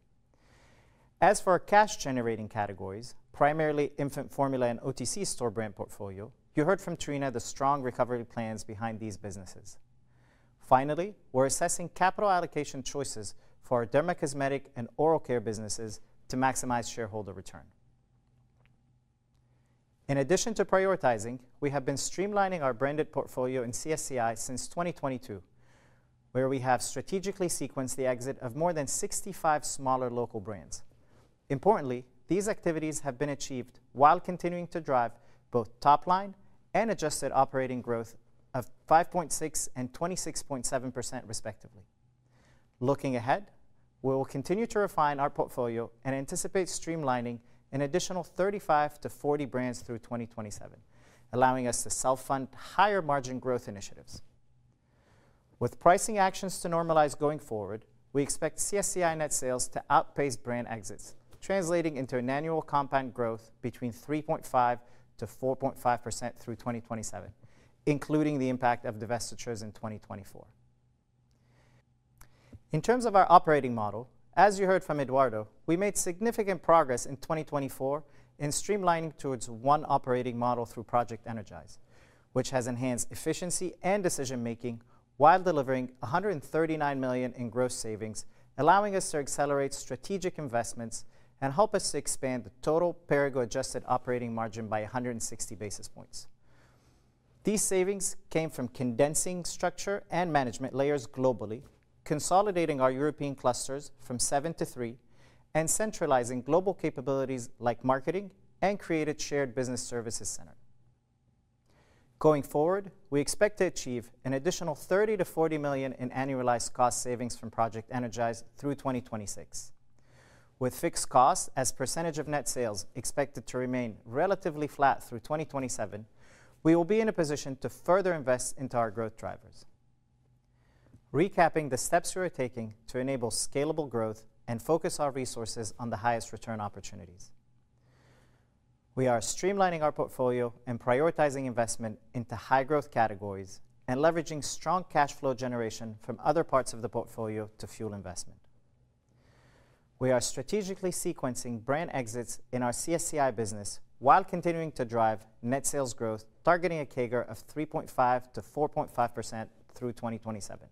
As for our cash-generating categories, infant formula and OTC store brand portfolio, you heard from Triona the strong recovery plans behind these businesses. Finally, we're assessing capital allocation choices for our dermocosmetic and oral care businesses to maximize shareholder return. In addition to prioritizing, we have been streamlining our branded portfolio in CSCI since 2022, where we have strategically sequenced the exit of more than 65 smaller local brands. Importantly, these activities have been achieved while continuing to drive both top-line and adjusted operating growth of 5.6% and 26.7%, respectively. Looking ahead, we will continue to refine our portfolio and anticipate streamlining an additional 35-40 brands through 2027, allowing us to self-fund higher margin growth initiatives. With pricing actions to normalize going forward, we expect CSCI net sales to outpace brand exits, translating into an annual compound growth between 3.5%-4.5% through 2027, including the impact of divestitures in 2024. In terms of our operating model, as you heard from Eduardo, we made significant progress in 2024 in streamlining towards one operating model through Project Energize, which has enhanced efficiency and decision-making while delivering $139 million in gross savings, allowing us to accelerate strategic investments and help us to expand the total Perrigo adjusted operating margin by 160 basis points. These savings came from condensing structure and management layers globally, consolidating our European clusters from seven to three, and centralizing global capabilities like marketing and created shared business services center. Going forward, we expect to achieve an additional $30 million-$40 million in annualized cost savings from Project Energize through 2026. With fixed costs as a percentage of net sales expected to remain relatively flat through 2027, we will be in a position to further invest into our growth drivers, recapping the steps we are taking to enable scalable growth and focus our resources on the highest return opportunities. We are streamlining our portfolio and prioritizing investment into high-growth categories and leveraging strong cash flow generation from other parts of the portfolio to fuel investment. We are strategically sequencing brand exits in our CSCI business while continuing to drive net sales growth, targeting a CAGR of 3.5%-4.5% through 2027.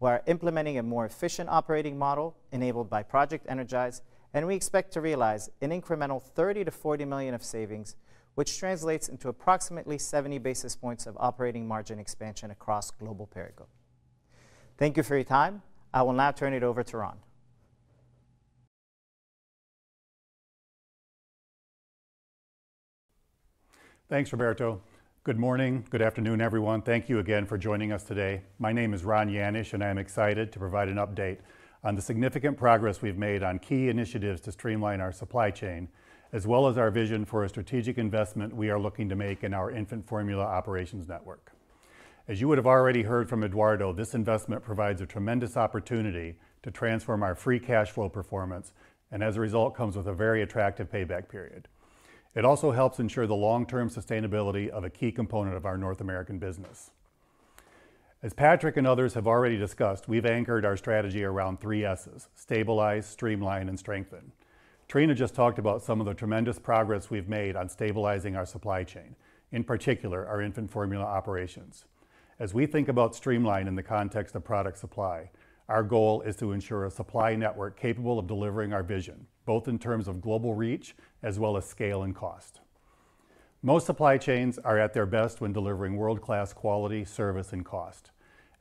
We are implementing a more efficient operating model enabled by Project Energize, and we expect to realize an incremental $30-$40 million of savings, which translates into approximately 70 basis points of operating margin expansion across global Perrigo. Thank you for your time. I will now turn it over to Ron. Thanks, Roberto. Good morning, good afternoon, everyone. Thank you again for joining us today. My name is Ron Janish, and I'm excited to provide an update on the significant progress we've made on key initiatives to streamline our supply chain, as well as our vision for a strategic investment we are looking to make in infant formula operations network. As you would have already heard from Eduardo, this investment provides a tremendous opportunity to transform our free cash flow performance, and as a result, comes with a very attractive payback period. It also helps ensure the long-term sustainability of a key component of our North American business. As Patrick and others have already discussed, we've anchored our strategy around three S's: Stabilize, Streamline, and Strengthen. Triona just talked about some of the tremendous progress we've made on stabilizing our supply chain, in particular infant formula operations. As we think about streamlining in the context of product supply, our goal is to ensure a supply network capable of delivering our vision, both in terms of global reach as well as scale and cost. Most supply chains are at their best when delivering world-class quality, service, and cost.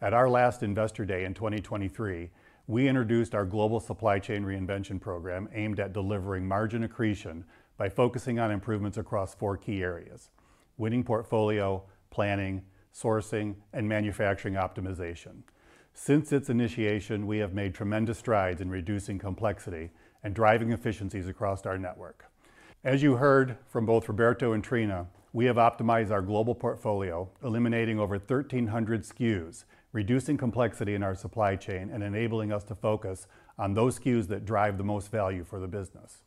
At our last Investor Day in 2023, we introduced our global Supply Chain Reinvention program aimed at delivering margin accretion by focusing on improvements across four key areas: winning portfolio, planning, sourcing, and manufacturing optimization. Since its initiation, we have made tremendous strides in reducing complexity and driving efficiencies across our network. As you heard from both Roberto and Triona, we have optimized our global portfolio, eliminating over 1,300 SKUs, reducing complexity in our supply chain, and enabling us to focus on those SKUs that drive the most value for the business.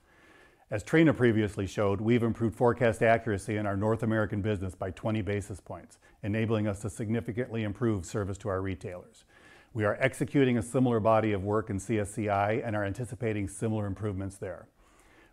As Triona previously showed, we've improved forecast accuracy in our North American business by 20 basis points, enabling us to significantly improve service to our retailers. We are executing a similar body of work in CSCI and are anticipating similar improvements there.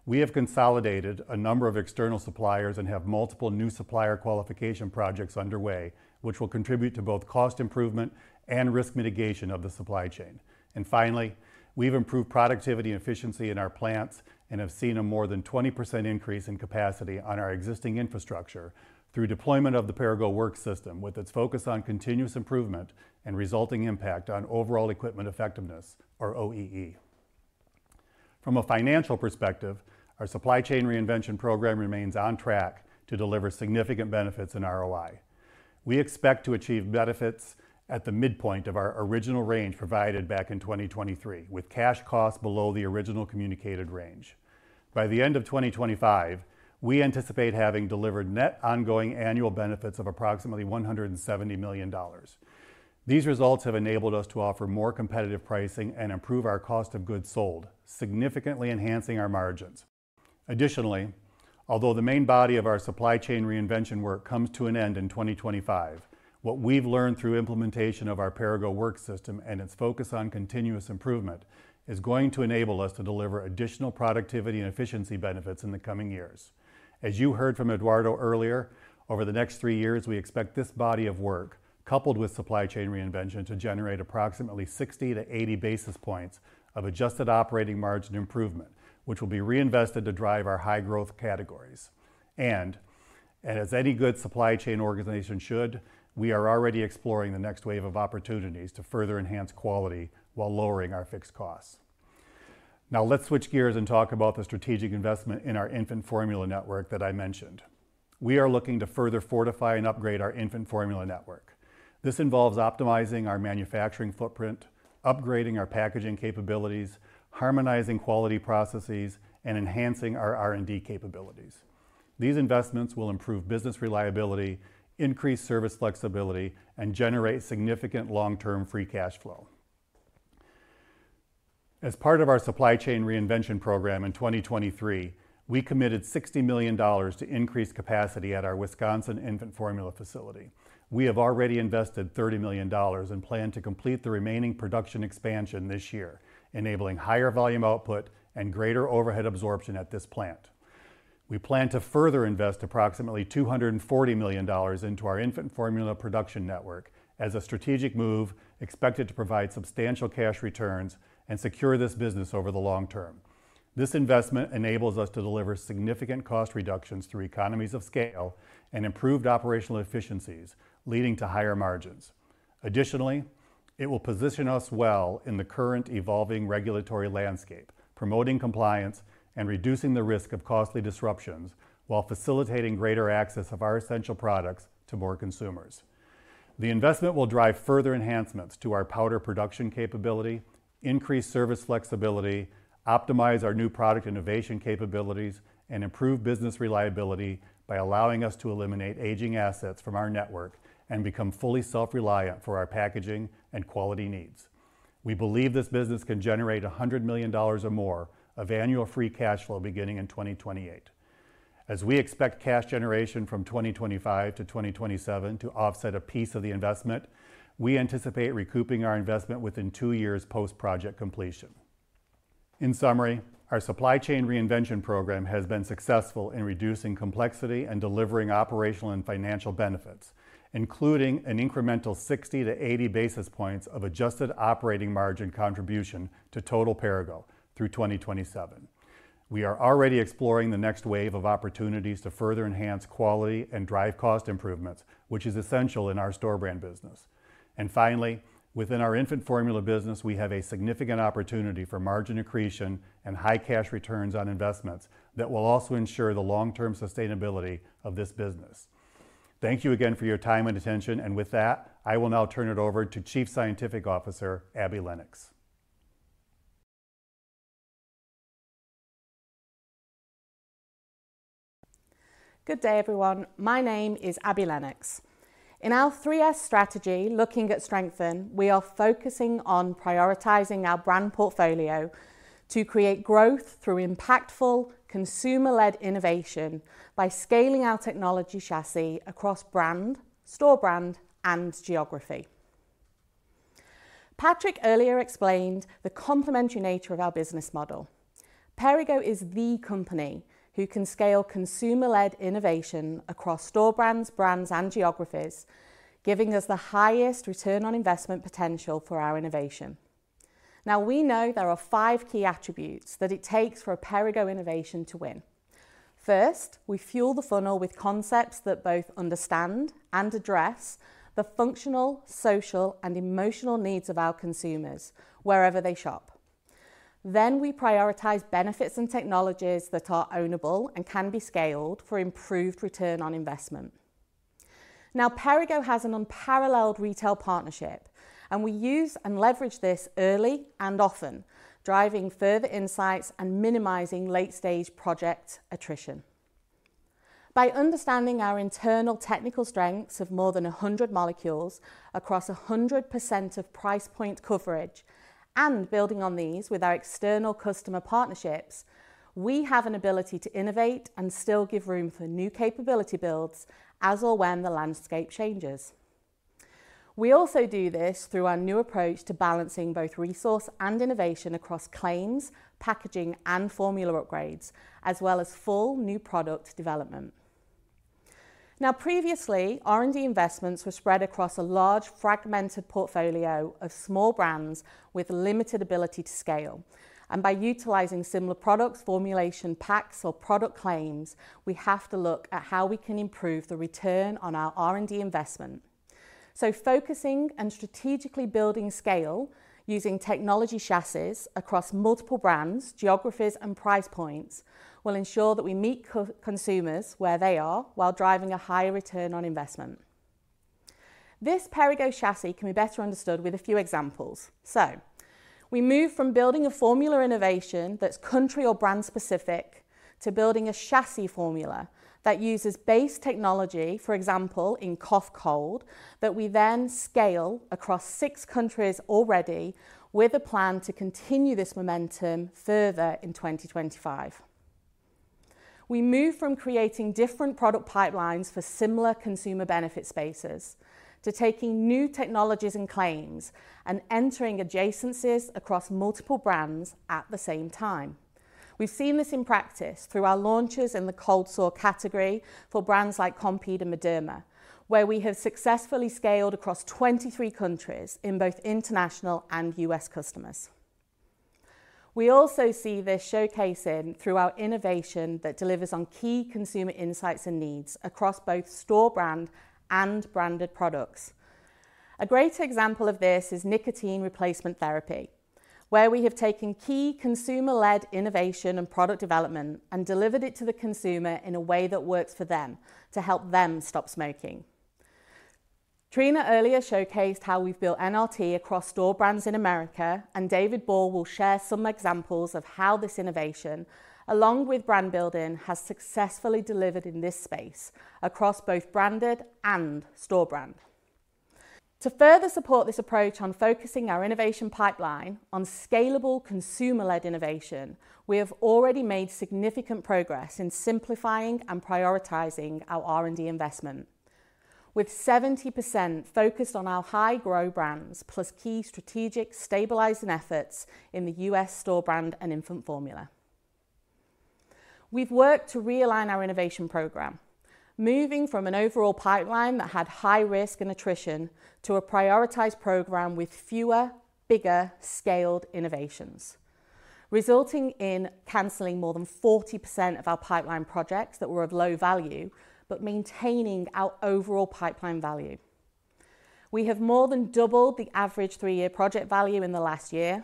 We have consolidated a number of external suppliers and have multiple new supplier qualification projects underway, which will contribute to both cost improvement and risk mitigation of the supply chain. Finally, we've improved productivity and efficiency in our plants and have seen a more than 20% increase in capacity on our existing infrastructure through deployment of the Perrigo Work System, with its focus on continuous improvement and resulting impact on Overall Equipment Effectiveness, or OEE. From a financial perspective, our Supply Chain Reinvention program remains on track to deliver significant benefits in ROI. We expect to achieve benefits at the midpoint of our original range provided back in 2023, with cash costs below the original communicated range. By the end of 2025, we anticipate having delivered net ongoing annual benefits of approximately $170 million. These results have enabled us to offer more competitive pricing and improve our cost of goods sold, significantly enhancing our margins. Additionally, although the main body of our Supply Chain Reinvention work comes to an end in 2025, what we've learned through implementation of our Perrigo Work System and its focus on continuous improvement is going to enable us to deliver additional productivity and efficiency benefits in the coming years. As you heard from Eduardo earlier, over the next three years, we expect this body of work, coupled with Supply Chain Reinvention, to generate approximately 60-80 basis points of adjusted operating margin improvement, which will be reinvested to drive our high-growth categories. And, as any good supply chain organization should, we are already exploring the next wave of opportunities to further enhance quality while lowering our fixed costs. Now, let's switch gears and talk about the strategic investment in infant formula network that I mentioned. We are looking to further fortify and upgrade infant formula network. This involves optimizing our manufacturing footprint, upgrading our packaging capabilities, harmonizing quality processes, and enhancing our R&D capabilities. These investments will improve business reliability, increase service flexibility, and generate significant long-term free cash flow. As part of our Supply Chain Reinvention program in 2023, we committed $60 million to increase capacity at our infant formula facility. We have already invested $30 million and plan to complete the remaining production expansion this year, enabling higher volume output and greater overhead absorption at this plant. We plan to further invest approximately $240 million into infant formula production network as a strategic move expected to provide substantial cash returns and secure this business over the long term. This investment enables us to deliver significant cost reductions through economies of scale and improved operational efficiencies, leading to higher margins. Additionally, it will position us well in the current evolving regulatory landscape, promoting compliance and reducing the risk of costly disruptions while facilitating greater access of our essential products to more consumers. The investment will drive further enhancements to our powder production capability, increase service flexibility, optimize our new product innovation capabilities, and improve business reliability by allowing us to eliminate aging assets from our network and become fully self-reliant for our packaging and quality needs. We believe this business can generate $100 million or more of annual free cash flow beginning in 2028. As we expect cash generation from 2025-2027 to offset a piece of the investment, we anticipate recouping our investment within two years post-project completion. In summary, our Supply Chain Reinvention program has been successful in reducing complexity and delivering operational and financial benefits, including an incremental 60-80 basis points of adjusted operating margin contribution to total Perrigo through 2027. We are already exploring the next wave of opportunities to further enhance quality and drive cost improvements, which is essential in our store brand business. Finally, within infant formula business, we have a significant opportunity for margin accretion and high cash returns on investments that will also ensure the long-term sustainability of this business. Thank you again for your time and attention. With that, I will now turn it over to Chief Scientific Officer Abbie Lennox. Good day, everyone. My name is Abbie Lennox. In our 3S Strategy, looking at Strengthen, we are focusing on prioritizing our brand portfolio to create growth through impactful consumer-led innovation by scaling our technology chassis across brand, store brand, and geography. Patrick earlier explained the complementary nature of our business model. Perrigo is the Company who can scale consumer-led innovation across store brands, brands, and geographies, giving us the highest return on investment potential for our innovation. Now, we know there are five key attributes that it takes for a Perrigo innovation to win. First, we fuel the funnel with concepts that both understand and address the functional, social, and emotional needs of our consumers wherever they shop. Then we prioritize benefits and technologies that are ownable and can be scaled for improved return on investment. Now, Perrigo has an unparalleled retail partnership, and we use and leverage this early and often, driving further insights and minimizing late-stage project attrition. By understanding our internal technical strengths of more than 100 molecules across 100% of price point coverage and building on these with our external customer partnerships, we have an ability to innovate and still give room for new capability builds as or when the landscape changes. We also do this through our new approach to balancing both resource and innovation across claims, packaging, and formula upgrades, as well as full new product development. Now, previously, R&D investments were spread across a large fragmented portfolio of small brands with limited ability to scale, and by utilizing similar product formulation packs or product claims, we have to look at how we can improve the return on our R&D investment. Focusing and strategically building scale using technology chassis across multiple brands, geographies, and price points will ensure that we meet consumers where they are while driving a higher return on investment. This Perrigo chassis can be better understood with a few examples. We move from building a formula innovation that's country or brand specific to building a chassis formula that uses base technology, for example, in cough cold, that we then scale across six countries already with a plan to continue this momentum further in 2025. We move from creating different product pipelines for similar consumer benefit spaces to taking new technologies and claims and entering adjacencies across multiple brands at the same time. We've seen this in practice through our launches in the Cold Sore category for brands like Compeed and Mederma, where we have successfully scaled across 23 countries in both international and U.S. customers. We also see this showcasing through our innovation that delivers on key consumer insights and needs across both store brand and branded products. A great example of this is nicotine replacement therapy, where we have taken key consumer-led innovation and product development and delivered it to the consumer in a way that works for them to help them stop smoking. Triona earlier showcased how we've built NRT across store brands in America, and David Ball will share some examples of how this innovation, along with brand building, has successfully delivered in this space across both branded and store brand. To further support this approach on focusing our innovation pipeline on scalable consumer-led innovation, we have already made significant progress in simplifying and prioritizing our R&D investment, with 70% focused on high-growth brands plus key strategic stabilizing efforts in the U.S. store brand and infant formula. We've worked to realign our innovation program, moving from an overall pipeline that had high risk and attrition to a prioritized program with fewer, bigger scaled innovations, resulting in canceling more than 40% of our pipeline projects that were of low value, but maintaining our overall pipeline value. We have more than doubled the average three-year project value in the last year,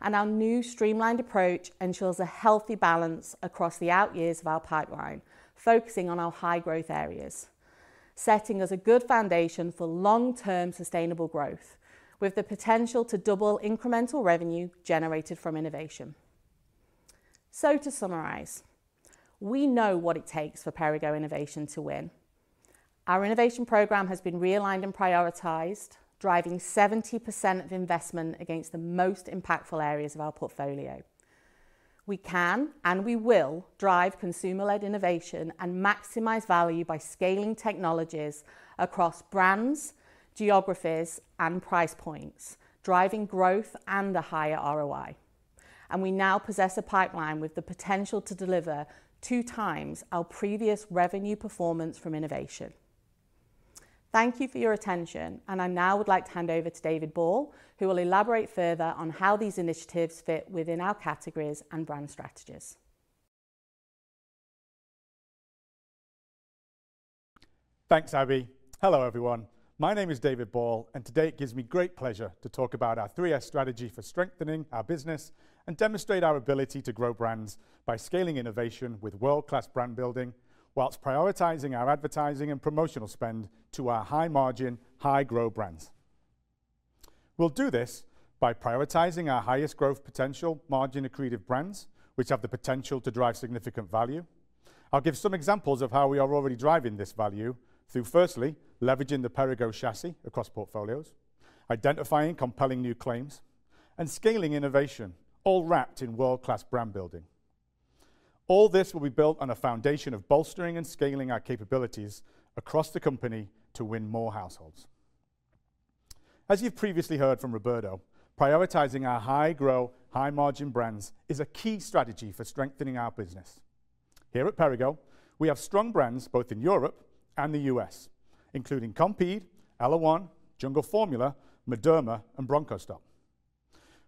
and our new Streamlined approach ensures a healthy balance across the out years of our pipeline, focusing on our high-growth areas, setting us a good foundation for long-term sustainable growth with the potential to double incremental revenue generated from innovation. So to summarize, we know what it takes for Perrigo innovation to win. Our innovation program has been realigned and prioritized, driving 70% of investment against the most impactful areas of our portfolio. We can and we will drive consumer-led innovation and maximize value by scaling technologies across brands, geographies, and price points, driving growth and a higher ROI, and we now possess a pipeline with the potential to deliver two times our previous revenue performance from innovation. Thank you for your attention, and I now would like to hand over to David Ball, who will elaborate further on how these initiatives fit within our categories and brand strategies. Thanks, Abbie Lennox. Hello, everyone. My name is David Ball, and today it gives me great pleasure to talk about our 3S Strategy for strengthening our business and demonstrate our ability to grow brands by scaling innovation with world-class brand building while prioritizing our advertising and promotional spend to our high-margin, high-growth brands. We'll do this by prioritizing our highest growth potential margin accretive brands, which have the potential to drive significant value. I'll give some examples of how we are already driving this value through, firstly, leveraging the Perrigo chassis across portfolios, identifying compelling new claims, and scaling innovation, all wrapped in world-class brand building. All this will be built on a foundation of bolstering and scaling our capabilities across the company to win more households. As you've previously heard from Roberto, prioritizing our high-growth, high-margin brands is a key strategy for strengthening our business. Here at Perrigo, we have strong brands both in Europe and the U.S., including Compeed, ellaOne, Jungle Formula, Mederma, and Bronchostop.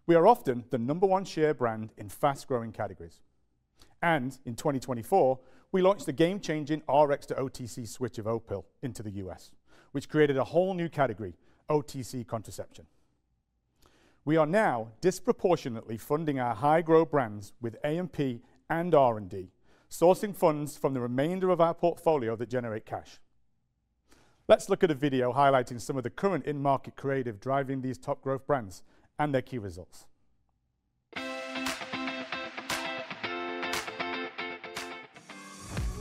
We are often the number one share brand in fast-growing categories. And in 2024, we launched the game-changing Rx-to-OTC switch of Opill into the U.S., which created a whole new category, OTC contraception. We are now disproportionately funding high-growth brands with A&P and R&D, sourcing funds from the remainder of our portfolio that generate cash. Let's look at a video highlighting some of the current in-market creative driving these top-growth brands and their key results.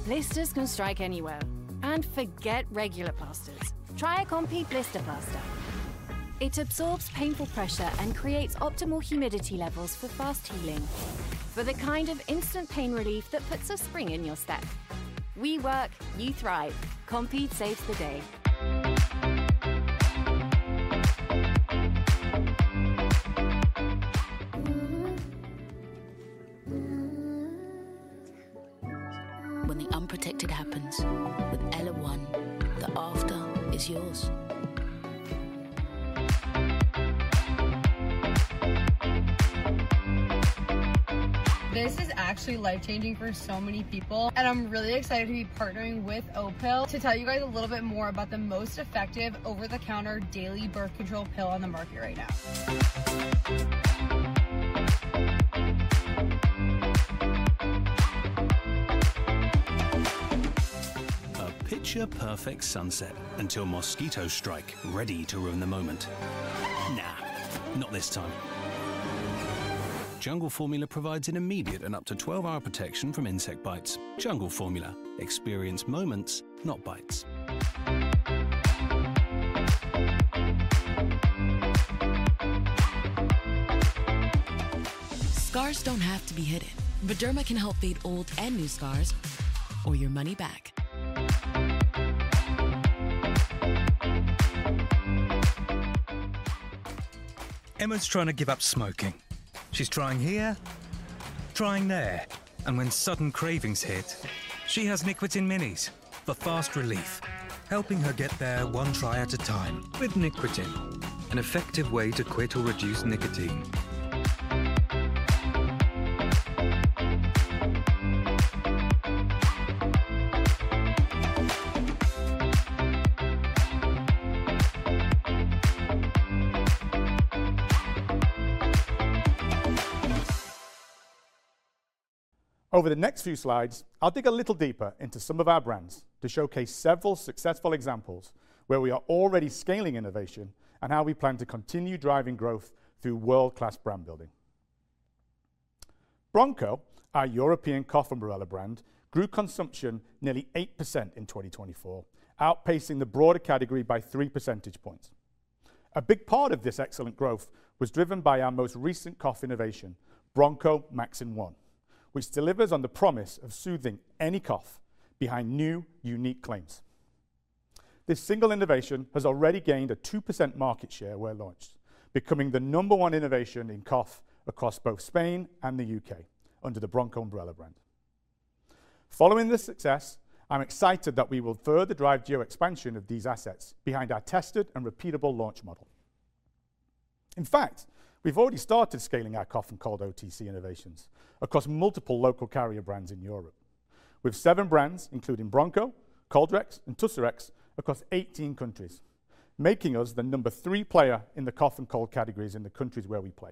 Blisters can strike anywhere. And forget regular plasters. Try a Compeed Blister Plaster. It absorbs painful pressure and creates optimal humidity levels for fast healing, for the kind of instant pain relief that puts a spring in your step. We work, you thrive. Compeed saves the day. When the unprotected happens with ellaOne, the after is yours. This is actually life-changing for so many people, and I'm really excited to be partnering with Opill to tell you guys a little bit more about the most effective over-the-counter daily birth control pill on the market right now. A picture-perfect sunset until mosquito strike ready to ruin the moment. Nah, not this time. Jungle Formula provides an immediate and up to 12-hour protection from insect bites. Jungle Formula, experience moments, not bites. Scars don't have to be hidden. Mederma can help fade old and new scars or your money back. Emma's trying to give up smoking. She's trying here, trying there, and when sudden cravings hit, she has NiQuitin Minis for fast relief, helping her get there one try at a time with NiQuitin, an effective way to quit or reduce nicotine. Over the next few slides, I'll dig a little deeper into some of our brands to showcase several successful examples where we are already scaling innovation and how we plan to continue driving growth through world-class brand building. Broncho, our European cough umbrella brand, grew consumption nearly 8% in 2024, outpacing the broader category by 3 percentage points. A big part of this excellent growth was driven by our most recent cough innovation, Broncho Max in 1, which delivers on the promise of soothing any cough behind new, unique claims. This single innovation has already gained a 2% market share where launched, becoming the number one innovation in Cough across both Spain and the U.K. under the Broncho umbrella brand. Following this success, I'm excited that we will further drive geo-expansion of these assets behind our tested and repeatable launch model. In fact, we've already started scaling our Cough and Cold OTC innovations across multiple local carrier brands in Europe, with seven brands, including Broncho, Coldrex, and Tussirex, across 18 countries, making us the number three player in the Cough and Cold categories in the countries where we play.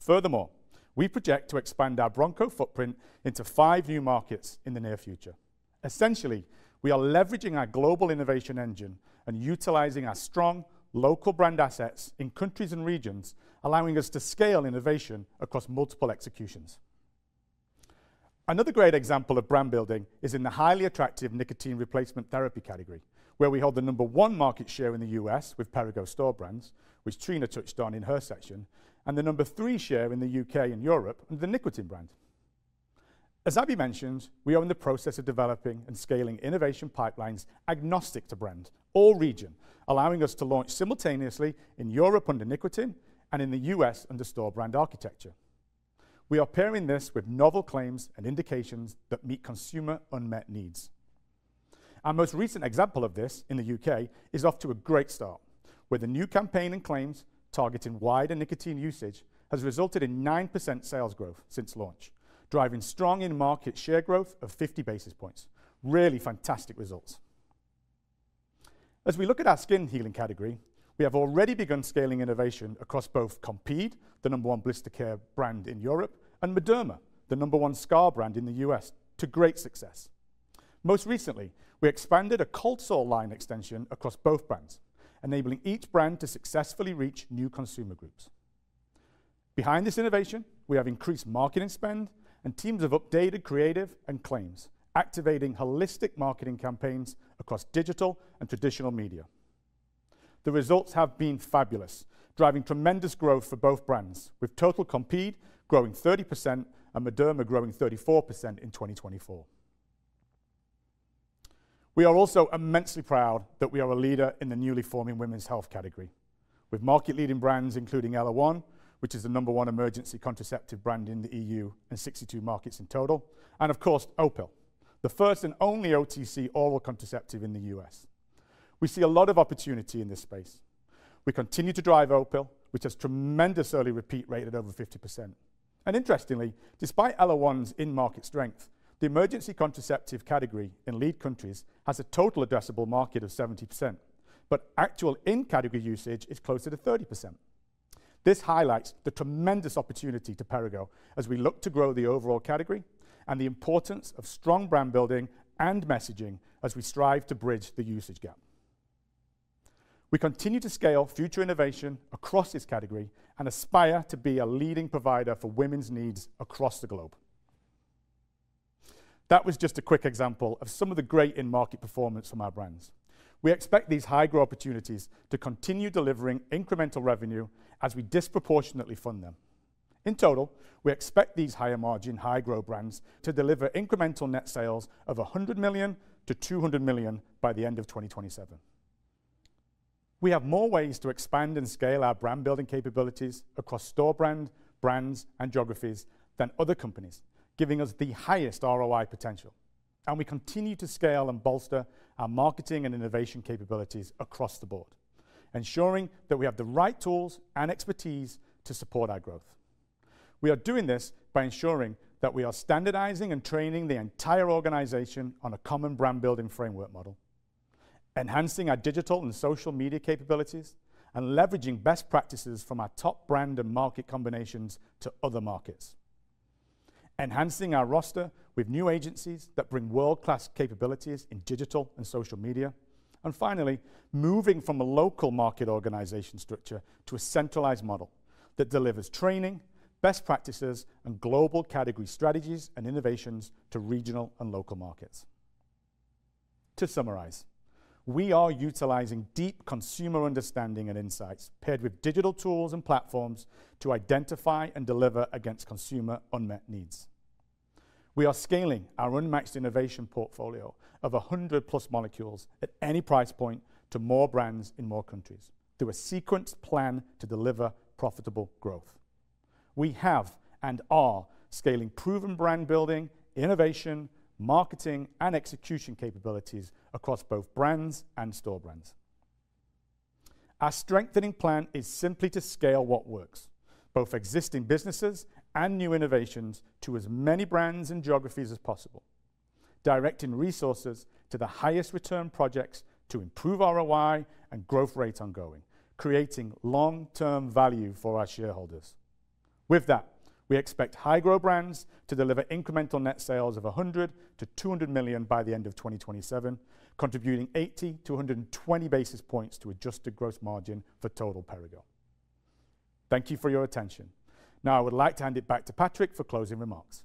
Furthermore, we project to expand our Broncho footprint into five new markets in the near future. Essentially, we are leveraging our global innovation engine and utilizing our strong local brand assets in countries and regions, allowing us to scale innovation across multiple executions. Another great example of brand building is in the highly attractive nicotine replacement therapy category, where we hold the number one market share in the U.S. with Perrigo store brands, which Triona touched on in her section, and the number three share in the U.K. and Europe under the NiQuitin brand. As Abbie Lennox mentioned, we are in the process of developing and scaling innovation pipelines agnostic to brand or region, allowing us to launch simultaneously in Europe under NiQuitin and in the U.S. under store brand architecture. We are pairing this with novel claims and indications that meet consumer unmet needs. Our most recent example of this in the U.K. is off to a great start, where the new campaign and claims targeting wider NiQuitin usage has resulted in 9% sales growth since launch, driving strong in-market share growth of 50 basis points. Really fantastic results. As we look at our Skin Healing category, we have already begun scaling innovation across both Compeed, the number one blister care brand in Europe, and Mederma, the number one scar brand in the U.S., to great success. Most recently, we expanded a Cold Sore line extension across both brands, enabling each brand to successfully reach new consumer groups. Behind this innovation, we have increased marketing spend and teams of updated creative and claims, activating holistic marketing campaigns across digital and traditional media. The results have been fabulous, driving tremendous growth for both brands, with total Compeed growing 30% and Mederma growing 34% in 2024. We are also immensely proud that we are a leader in the newly forming Women's Health category, with market-leading brands including ellaOne, which is the number one emergency contraceptive brand in the EU and 62 markets in total, and of course, Opill, the first and only OTC oral contraceptive in the U.S. We see a lot of opportunity in this space. We continue to drive Opill, which has tremendous early repeat rate at over 50%. And interestingly, despite ellaOne's in-market strength, the emergency contraceptive category in lead countries has a total addressable market of 70%, but actual in-category usage is closer to 30%. This highlights the tremendous opportunity to Perrigo as we look to grow the overall category and the importance of strong brand building and messaging as we strive to bridge the usage gap. We continue to scale future innovation across this category and aspire to be a leading provider for women's needs across the globe. That was just a quick example of some of the great in-market performance from our brands. We expect these high-growth opportunities to continue delivering incremental revenue as we disproportionately fund them. In total, we expect these higher-margin, higher-growth brands to deliver incremental net sales of $100 million-$200 million by the end of 2027. We have more ways to expand and scale our brand building capabilities across store brand, brands, and geographies than other companies, giving us the highest ROI potential, and we continue to scale and bolster our marketing and innovation capabilities across the board, ensuring that we have the right tools and expertise to support our growth. We are doing this by ensuring that we are standardizing and training the entire organization on a common brand building framework model, enhancing our digital and social media capabilities, and leveraging best practices from our top brand and market combinations to other markets, enhancing our roster with new agencies that bring world-class capabilities in digital and social media, and finally, moving from a local market organization structure to a centralized model that delivers training, best practices, and global category strategies and innovations to regional and local markets. To summarize, we are utilizing deep consumer understanding and insights paired with digital tools and platforms to identify and deliver against consumer unmet needs. We are scaling our unmatched innovation portfolio of 100-plus molecules at any price point to more brands in more countries through a sequenced plan to deliver profitable growth. We have and are scaling proven brand-building, innovation, marketing, and execution capabilities across both brands and store brands. Our strengthening plan is simply to scale what works, both existing businesses and new innovations to as many brands and geographies as possible, directing resources to the highest return projects to improve ROI and growth rates ongoing, creating long-term value for our shareholders. With that, we expect high-growth brands to deliver incremental net sales of $100 million-$200 million by the end of 2027, contributing 80-120 basis points to adjusted gross margin for total Perrigo. Thank you for your attention. Now, I would like to hand it back to Patrick for closing remarks.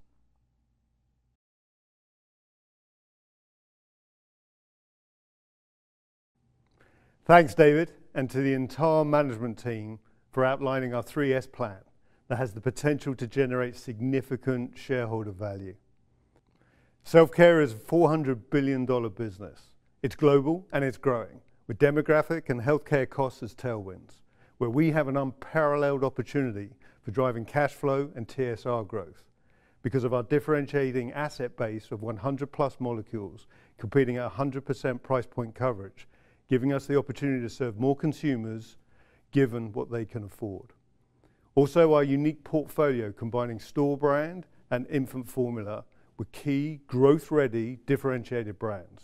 Thanks, David, and to the entire management team for outlining our 3S Plan that has the potential to generate significant shareholder value. Self-Care is a $400 billion business. It's global, and it's growing, with demographic and healthcare costs as tailwinds, where we have an unparalleled opportunity for driving cash flow and TSR growth because of our differentiating asset base of 100-plus molecules competing at 100% price point coverage, giving us the opportunity to serve more consumers given what they can afford. Also, our unique portfolio combining store brand infant formula with key growth-ready differentiated brands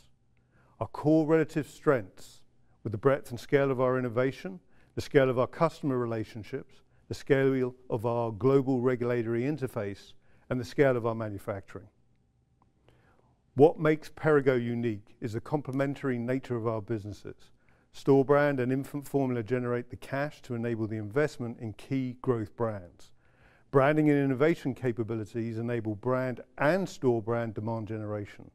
are core relative strengths with the breadth and scale of our innovation, the scale of our customer relationships, the scale of our global regulatory interface, and the scale of our manufacturing. What makes Perrigo unique is the complementary nature of our businesses. Store brand infant formula generate the cash to enable the investment in key growth brands. Branding and innovation capabilities enable brand and store brand demand generation.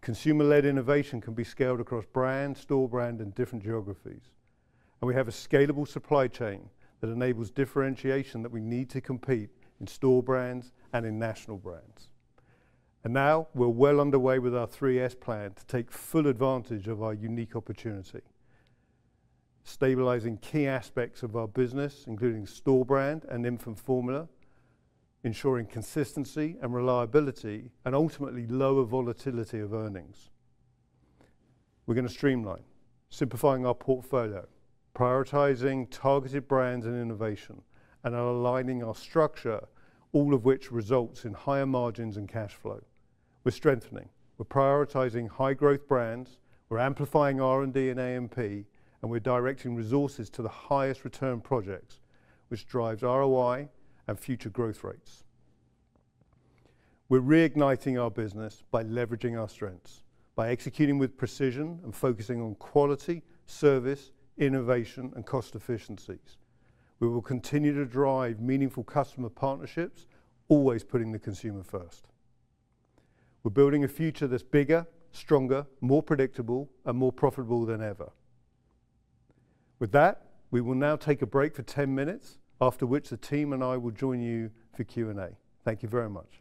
Consumer-led innovation can be scaled across brand, store brand, and different geographies. And we have a scalable supply chain that enables differentiation that we need to compete in store brands and in national brands. And now we're well underway with our 3S Plan to take full advantage of our unique opportunity, stabilizing key aspects of our business, including store brand infant formula, ensuring consistency and reliability, and ultimately lower volatility of earnings. We're going to Streamline, simplifying our portfolio, prioritizing targeted brands and innovation, and aligning our structure, all of which results in higher margins and cash flow. We're strengthening. We're prioritizing high-growth brands. We're amplifying R&D and A&P, and we're directing resources to the highest return projects, which drives ROI and future growth rates. We're reigniting our business by leveraging our strengths, by executing with precision and focusing on quality, service, innovation, and cost efficiencies. We will continue to drive meaningful customer partnerships, always putting the consumer first. We're building a future that's bigger, stronger, more predictable, and more profitable than ever. With that, we will now take a break for 10 minutes, after which the team and I will join you for Q&A. Thank you very much.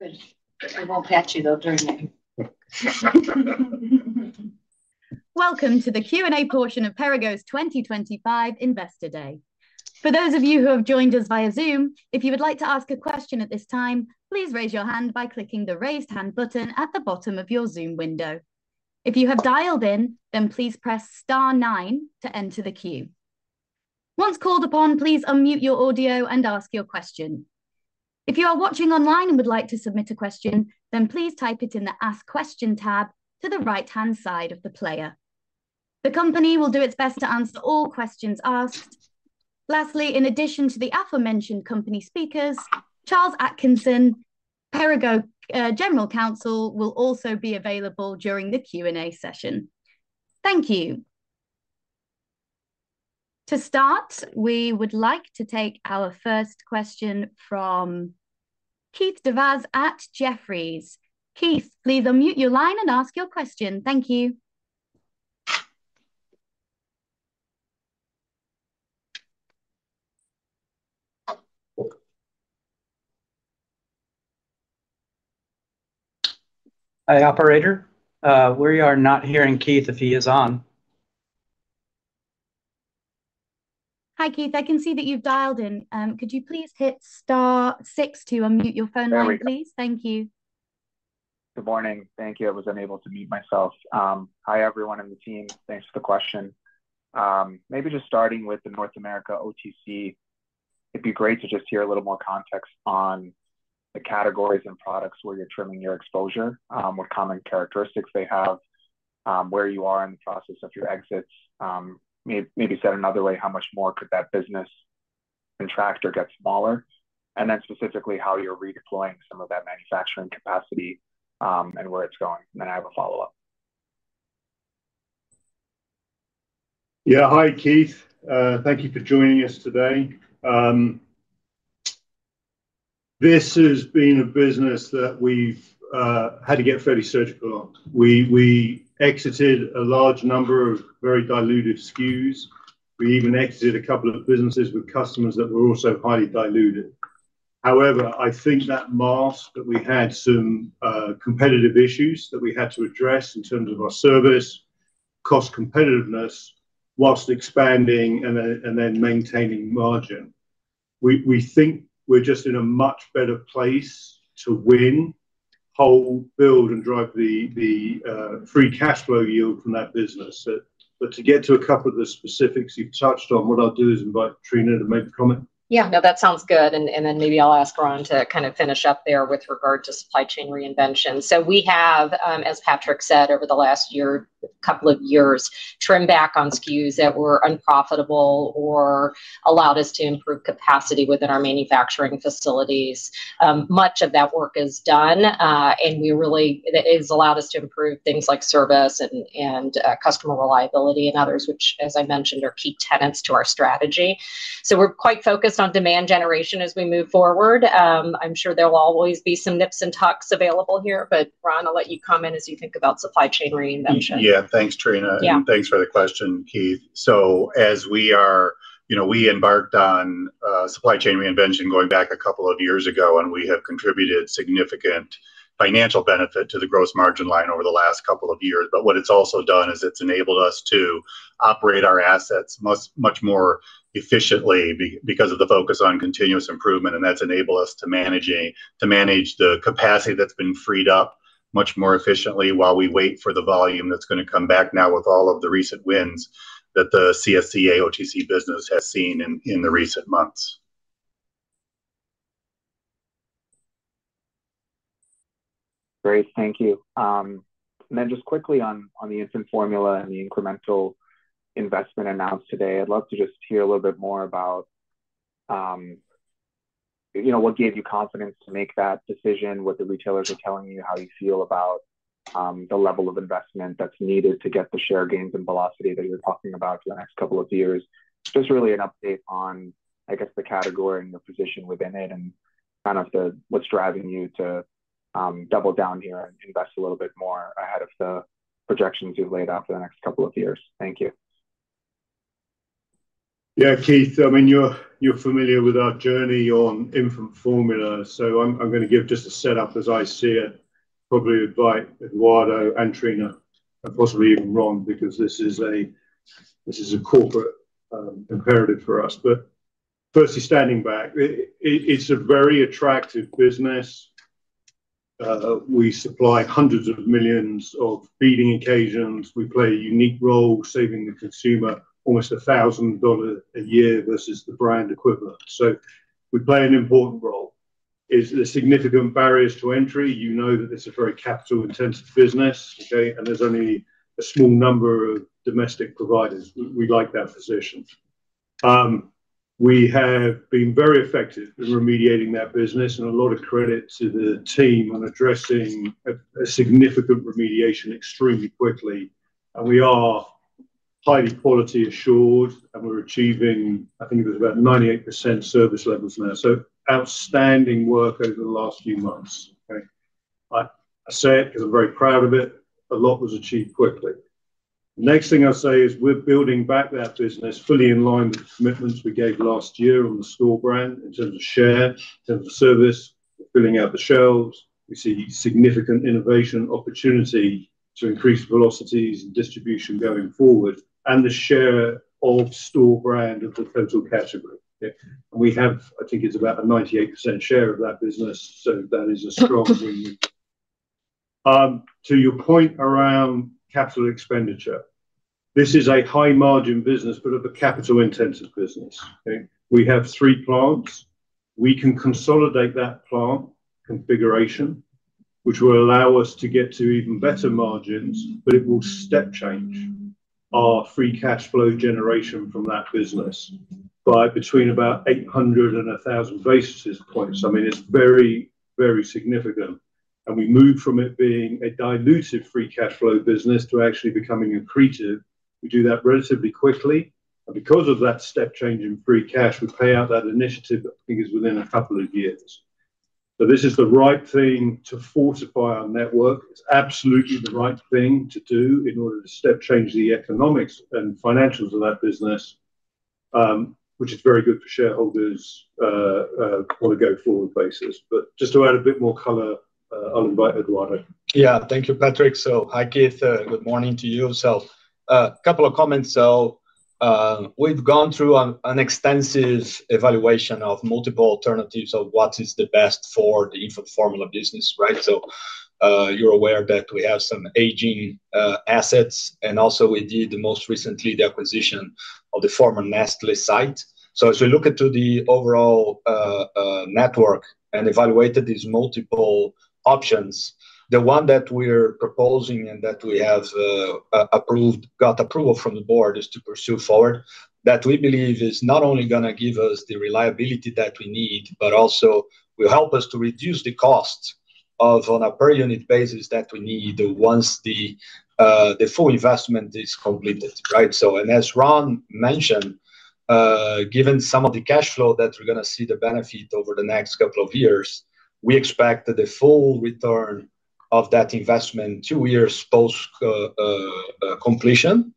Good. I won't pat you, though, during it. Welcome to the Q&A portion of Perrigo's 2025 Investor Day. For those of you who have joined us via Zoom, if you would like to ask a question at this time, please raise your hand by clicking the Raised Hand button at the bottom of your Zoom window. If you have dialed in, then please press star nine to enter the queue. Once called upon, please unmute your audio and ask your question. If you are watching online and would like to submit a question, then please type it in the Ask Question tab to the right-hand side of the player. The company will do its best to answer all questions asked. Lastly, in addition to the aforementioned company speakers, Charles Atkinson, Perrigo General Counsel, will also be available during the Q&A session. Thank you. To start, we would like to take our first question from Keith Devas at Jefferies. Keith, please unmute your line and ask your question. Thank you. Hi, Operator. We are not hearing Keith if he is on. Hi, Keith. I can see that you've dialed in. Could you please hit star six to unmute your phone, please? Thank you. Good morning. Thank you. I was unable to mute myself. Hi, everyone in the team. Thanks for the question. Maybe just starting with the North America OTC, it'd be great to just hear a little more context on the categories and products where you're trimming your exposure, what common characteristics they have, where you are in the process of your exits, maybe start another way, how much more could that business contract or get smaller, and then specifically how you're redeploying some of that manufacturing capacity and where it's going. And then I have a follow-up. Yeah. Hi, Keith. Thank you for joining us today. This has been a business that we've had to get fairly surgical on. We exited a large number of very diluted SKUs. We even exited a couple of businesses with customers that were also highly diluted. However, I think that masked that we had some competitive issues that we had to address in terms of our service, cost competitiveness, whilst expanding and then maintaining margin. We think we're just in a much better place to win, hold, build, and drive the free cash flow yield from that business. But to get to a couple of the specifics you've touched on, what I'll do is invite Triona to make a comment. Yeah. No, that sounds good. And then maybe I'll ask Ron to kind of finish up there with regard to Supply Chain Reinvention. So we have, as Patrick said, over the last couple of years, trimmed back on SKUs that were unprofitable or allowed us to improve capacity within our manufacturing facilities. Much of that work is done, and it has allowed us to improve things like service and customer reliability and others, which, as I mentioned, are key tenets to our strategy. So we're quite focused on demand generation as we move forward. I'm sure there will always be some nips and tucks available here, but Ron, I'll let you comment as you think about Supply Chain Reinvention. Yeah. Thanks, Triona. And thanks for the question, Keith. So as we embarked on Supply Chain Reinvention going back a couple of years ago, and we have contributed significant financial benefit to the gross margin line over the last couple of years. But what it's also done is it's enabled us to operate our assets much more efficiently because of the focus on continuous improvement, and that's enabled us to manage the capacity that's been freed up much more efficiently while we wait for the volume that's going to come back now with all of the recent wins that the CSCA OTC business has seen in the recent months. Great. Thank you. And then just quickly on infant formula and the incremental investment announced today, I'd love to just hear a little bit more about what gave you confidence to make that decision, what the retailers are telling you, how you feel about the level of investment that's needed to get the share gains and velocity that you're talking about for the next couple of years. Just really an update on, I guess, the category and the position within it and kind of what's driving you to double down here and invest a little bit more ahead of the projections you've laid out for the next couple of years. Thank you. Yeah, Keith, I mean, you're familiar with our journey on infant formula. I'm going to give just a setup as I see it, probably by Eduardo and Triona, and possibly even Ron because this is a corporate imperative for us. But firstly, standing back, it's a very attractive business. We supply hundreds of millions of feeding occasions. We play a unique role, saving the consumer almost $1,000 a year versus the brand equivalent. So we play an important role. There's significant barriers to entry. You know that it's a very capital-intensive business, okay? And there's only a small number of domestic providers. We like that position. We have been very effective in remediating that business and a lot of credit to the team on addressing a significant remediation extremely quickly. And we are highly quality assured, and we're achieving, I think it was about 98% service levels now. So outstanding work over the last few months, okay? I say it because I'm very proud of it. A lot was achieved quickly. The next thing I'll say is we're building back that business fully in line with the commitments we gave last year on the store brand in terms of share, in terms of service, filling out the shelves. We see significant innovation opportunity to increase velocities and distribution going forward and the share of store brand of the total category. And we have, I think it's about a 98% share of that business, so that is a strong win. To your point around capital expenditure, this is a high-margin business, but of a capital-intensive business, okay? We have three plants. We can consolidate that plant configuration, which will allow us to get to even better margins, but it will step change our free cash flow generation from that business by between about 800 and 1,000 basis points. I mean, it's very, very significant, and we moved from it being a diluted free cash flow business to actually becoming accretive. We do that relatively quickly, and because of that step change in free cash, we pay out that initiative. I think it's within a couple of years. So this is the right thing to fortify our network. It's absolutely the right thing to do in order to step change the economics and financials of that business, which is very good for shareholders on a go-forward basis, but just to add a bit more color, I'll invite Eduardo. Yeah. Thank you, Patrick. So hi, Keith. Good morning to you as well. A couple of comments. So we've gone through an extensive evaluation of multiple alternatives of what is the best for infant formula business, right? You're aware that we have some aging assets, and also we did most recently the acquisition of the former Nestlé site. So as we look at the overall network and evaluated these multiple options, the one that we're proposing and that we have got approval from the board is to pursue forward that we believe is not only going to give us the reliability that we need, but also will help us to reduce the cost on a per-unit basis that we need once the full investment is completed, right? So as Ron mentioned, given some of the cash flow that we're going to see the benefit over the next couple of years, we expect the full return of that investment two years post-completion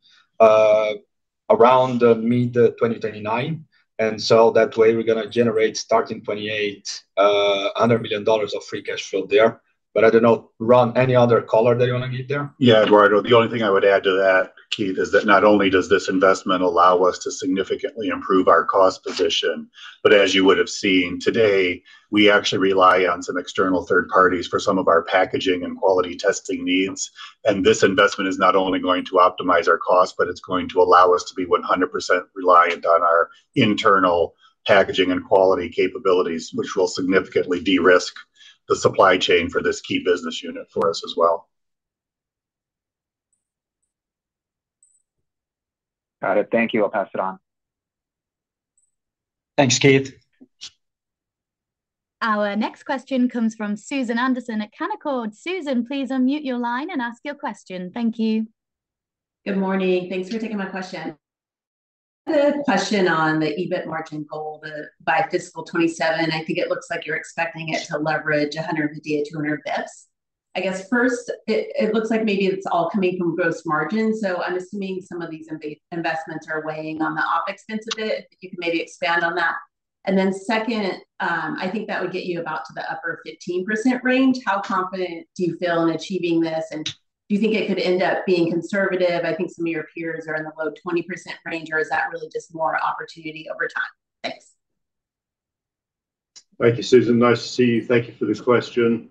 around mid-2029. And so that way we're going to generate starting '28, a million dollar of free cash flow there. But I don't know, Ron, any other color that you want to give there? Yeah, Eduardo. The only thing I would add to that, Keith, is that not only does this investment allow us to significantly improve our cost position, but as you would have seen today, we actually rely on some external third parties for some of our packaging and quality testing needs. And this investment is not only going to optimize our cost, but it's going to allow us to be 100% reliant on our internal packaging and quality capabilities, which will significantly de-risk the supply chain for this key business unit for us as well. Got it. Thank you. I'll pass it on. Thanks, Keith. Our next question comes from Susan Anderson at Canaccord. Susan, please unmute your line and ask your question. Thank you. Good morning. Thanks for taking my question. I have a question on the EBIT margin goal by fiscal 2027. I think it looks like you're expecting it to leverage 150-200 basis points. I guess first, it looks like maybe it's all coming from gross margin. So I'm assuming some of these investments are weighing on the OpEx a bit. You can maybe expand on that. And then second, I think that would get you about to the upper 15% range. How confident do you feel in achieving this? And do you think it could end up being conservative? I think some of your peers are in the low 20% range, or is that really just more opportunity over time? Thanks. Thank you, Susan. Nice to see you. Thank you for the question.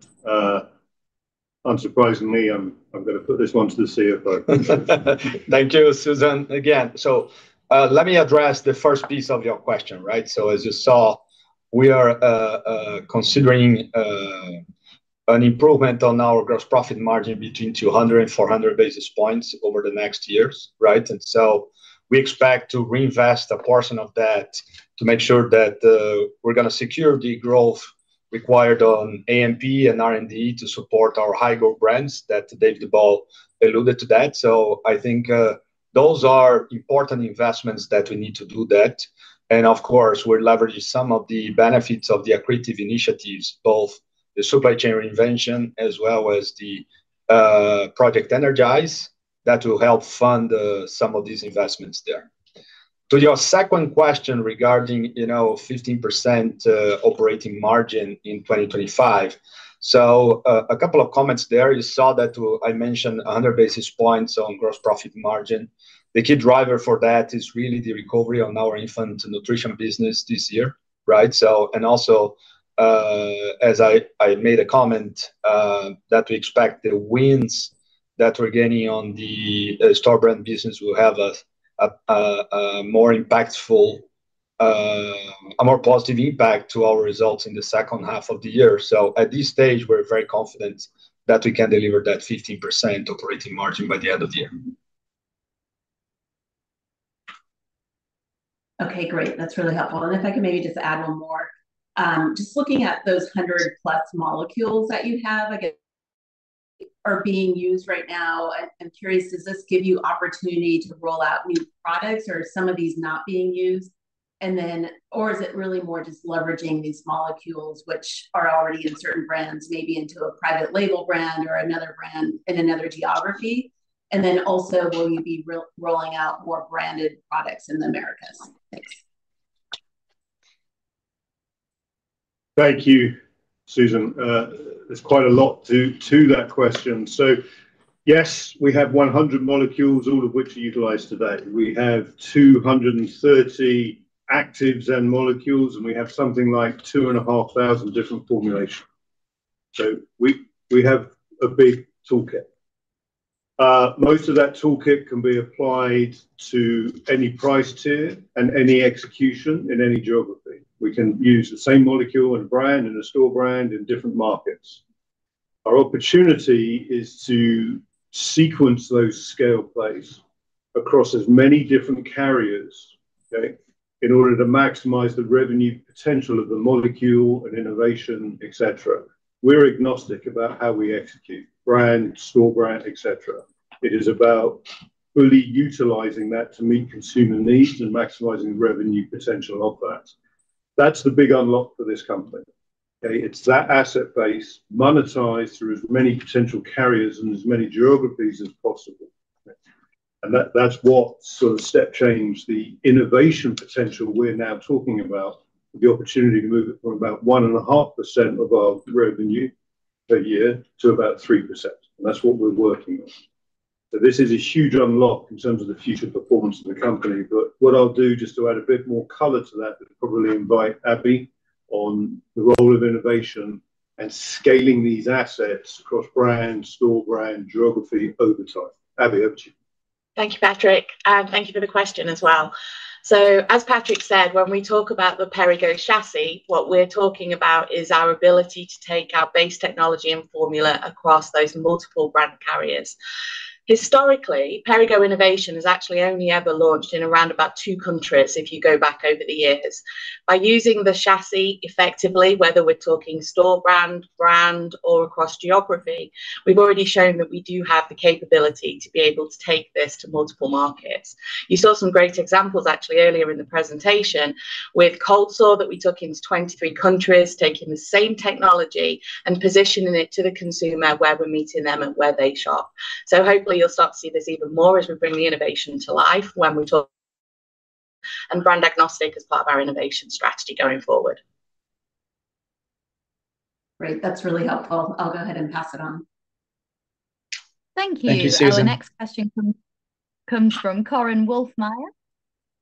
Unsurprisingly, I'm going to put this one to the CFO. Thank you, Susan. Again, so let me address the first piece of your question, right? So as you saw, we are considering an improvement on our gross profit margin between 200 and 400 basis points over the next years, right? And so we expect to reinvest a portion of that to make sure that we're going to secure the growth required on A&P and R&D to support high-growth brands that David Ball alluded to that. So I think those are important investments that we need to do that. And of course, we're leveraging some of the benefits of the accretive initiatives, both the Supply Chain Reinvention as well as the Project Energize that will help fund some of these investments there. To your second question regarding 15% operating margin in 2025, so a couple of comments there. You saw that I mentioned 100 basis points on gross profit margin. The key driver for that is really the recovery on our Infant Nutrition business this year, right? And also, as I made a comment, that we expect the wins that we're getting on the store brand business will have a more impactful, a more positive impact to our results in the second half of the year. So at this stage, we're very confident that we can deliver that 15% operating margin by the end of the year. Okay. Great. That's really helpful. And if I can maybe just add one more, just looking at those 100-plus molecules that you have, I guess, are being used right now, I'm curious, does this give you opportunity to roll out new products, or are some of these not being used? Or is it really more just leveraging these molecules, which are already in certain brands, maybe into a private label brand or another brand in another geography? And then also, will you be rolling out more branded products in the Americas? Thanks. Thank you, Susan. There's quite a lot to that question. So yes, we have 100 molecules, all of which are utilized today. We have 230 actives and molecules, and we have something like two and a half thousand different formulations. So we have a big toolkit. Most of that toolkit can be applied to any price tier and any execution in any geography. We can use the same molecule and brand and a store brand in different markets. Our opportunity is to sequence those SKUs across as many different carriers, okay, in order to maximize the revenue potential of the molecule and innovation, etc. We're agnostic about how we execute, brand, store brand, etc. It is about fully utilizing that to meet consumer needs and maximizing the revenue potential of that. That's the big unlock for this company. It's that asset base monetized through as many potential carriers and as many geographies as possible. And that's what sort of step changed the innovation potential we're now talking about, the opportunity to move it from about 1.5% of our revenue per year to about 3%. And that's what we're working on. So this is a huge unlock in terms of the future performance of the company. But what I'll do just to add a bit more color to that, but probably invite Abbie Lennox on the role of innovation and scaling these assets across brand, store brand, geography over time. Abbie Lennox, over to you. Thank you, Patrick. Thank you for the question as well. So as Patrick said, when we talk about the Perrigo chassis, what we're talking about is our ability to take our base technology and formula across those multiple brand carriers. Historically, Perrigo innovation has actually only ever launched in around about two countries if you go back over the years. By using the chassis effectively, whether we're talking store brand, brand, or across geography, we've already shown that we do have the capability to be able to take this to multiple markets. You saw some great examples actually earlier in the presentation with Cold Sore that we took into 23 countries, taking the same technology and positioning it to the consumer where we're meeting them and where they shop. So hopefully you'll start to see this even more as we bring the innovation to life when we talk and brand agnostic as part of our innovation strategy going forward. Great. That's really helpful. I'll go ahead and pass it on. Thank you. Thank you, Susan. The next question comes from Korinne Wolfmeyer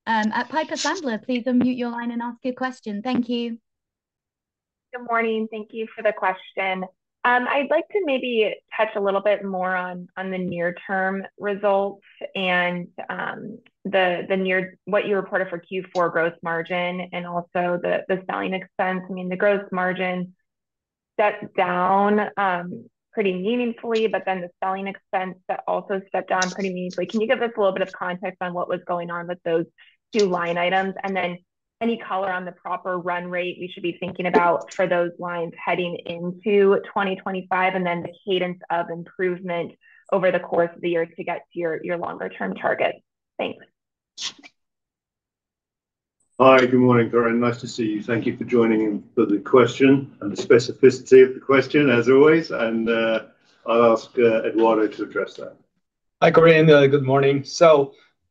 at Piper Sandler. Please unmute your line and ask your question. Thank you. Good morning. Thank you for the question. I'd like to maybe touch a little bit more on the near-term results and what you reported for Q4 gross margin and also the selling expense. I mean, the gross margin stepped down pretty meaningfully, but then the selling expense that also stepped down pretty meaningfully. Can you give us a little bit of context on what was going on with those two line items? And then any color on the proper run rate we should be thinking about for those lines heading into 2025 and then the cadence of improvement over the course of the year to get to your longer-term target. Thanks. Hi. Good morning, Korinne. Nice to see you. Thank you for joining for the question and the specificity of the question, as always. I'll ask Eduardo to address that. Hi, Korinne. Good morning. A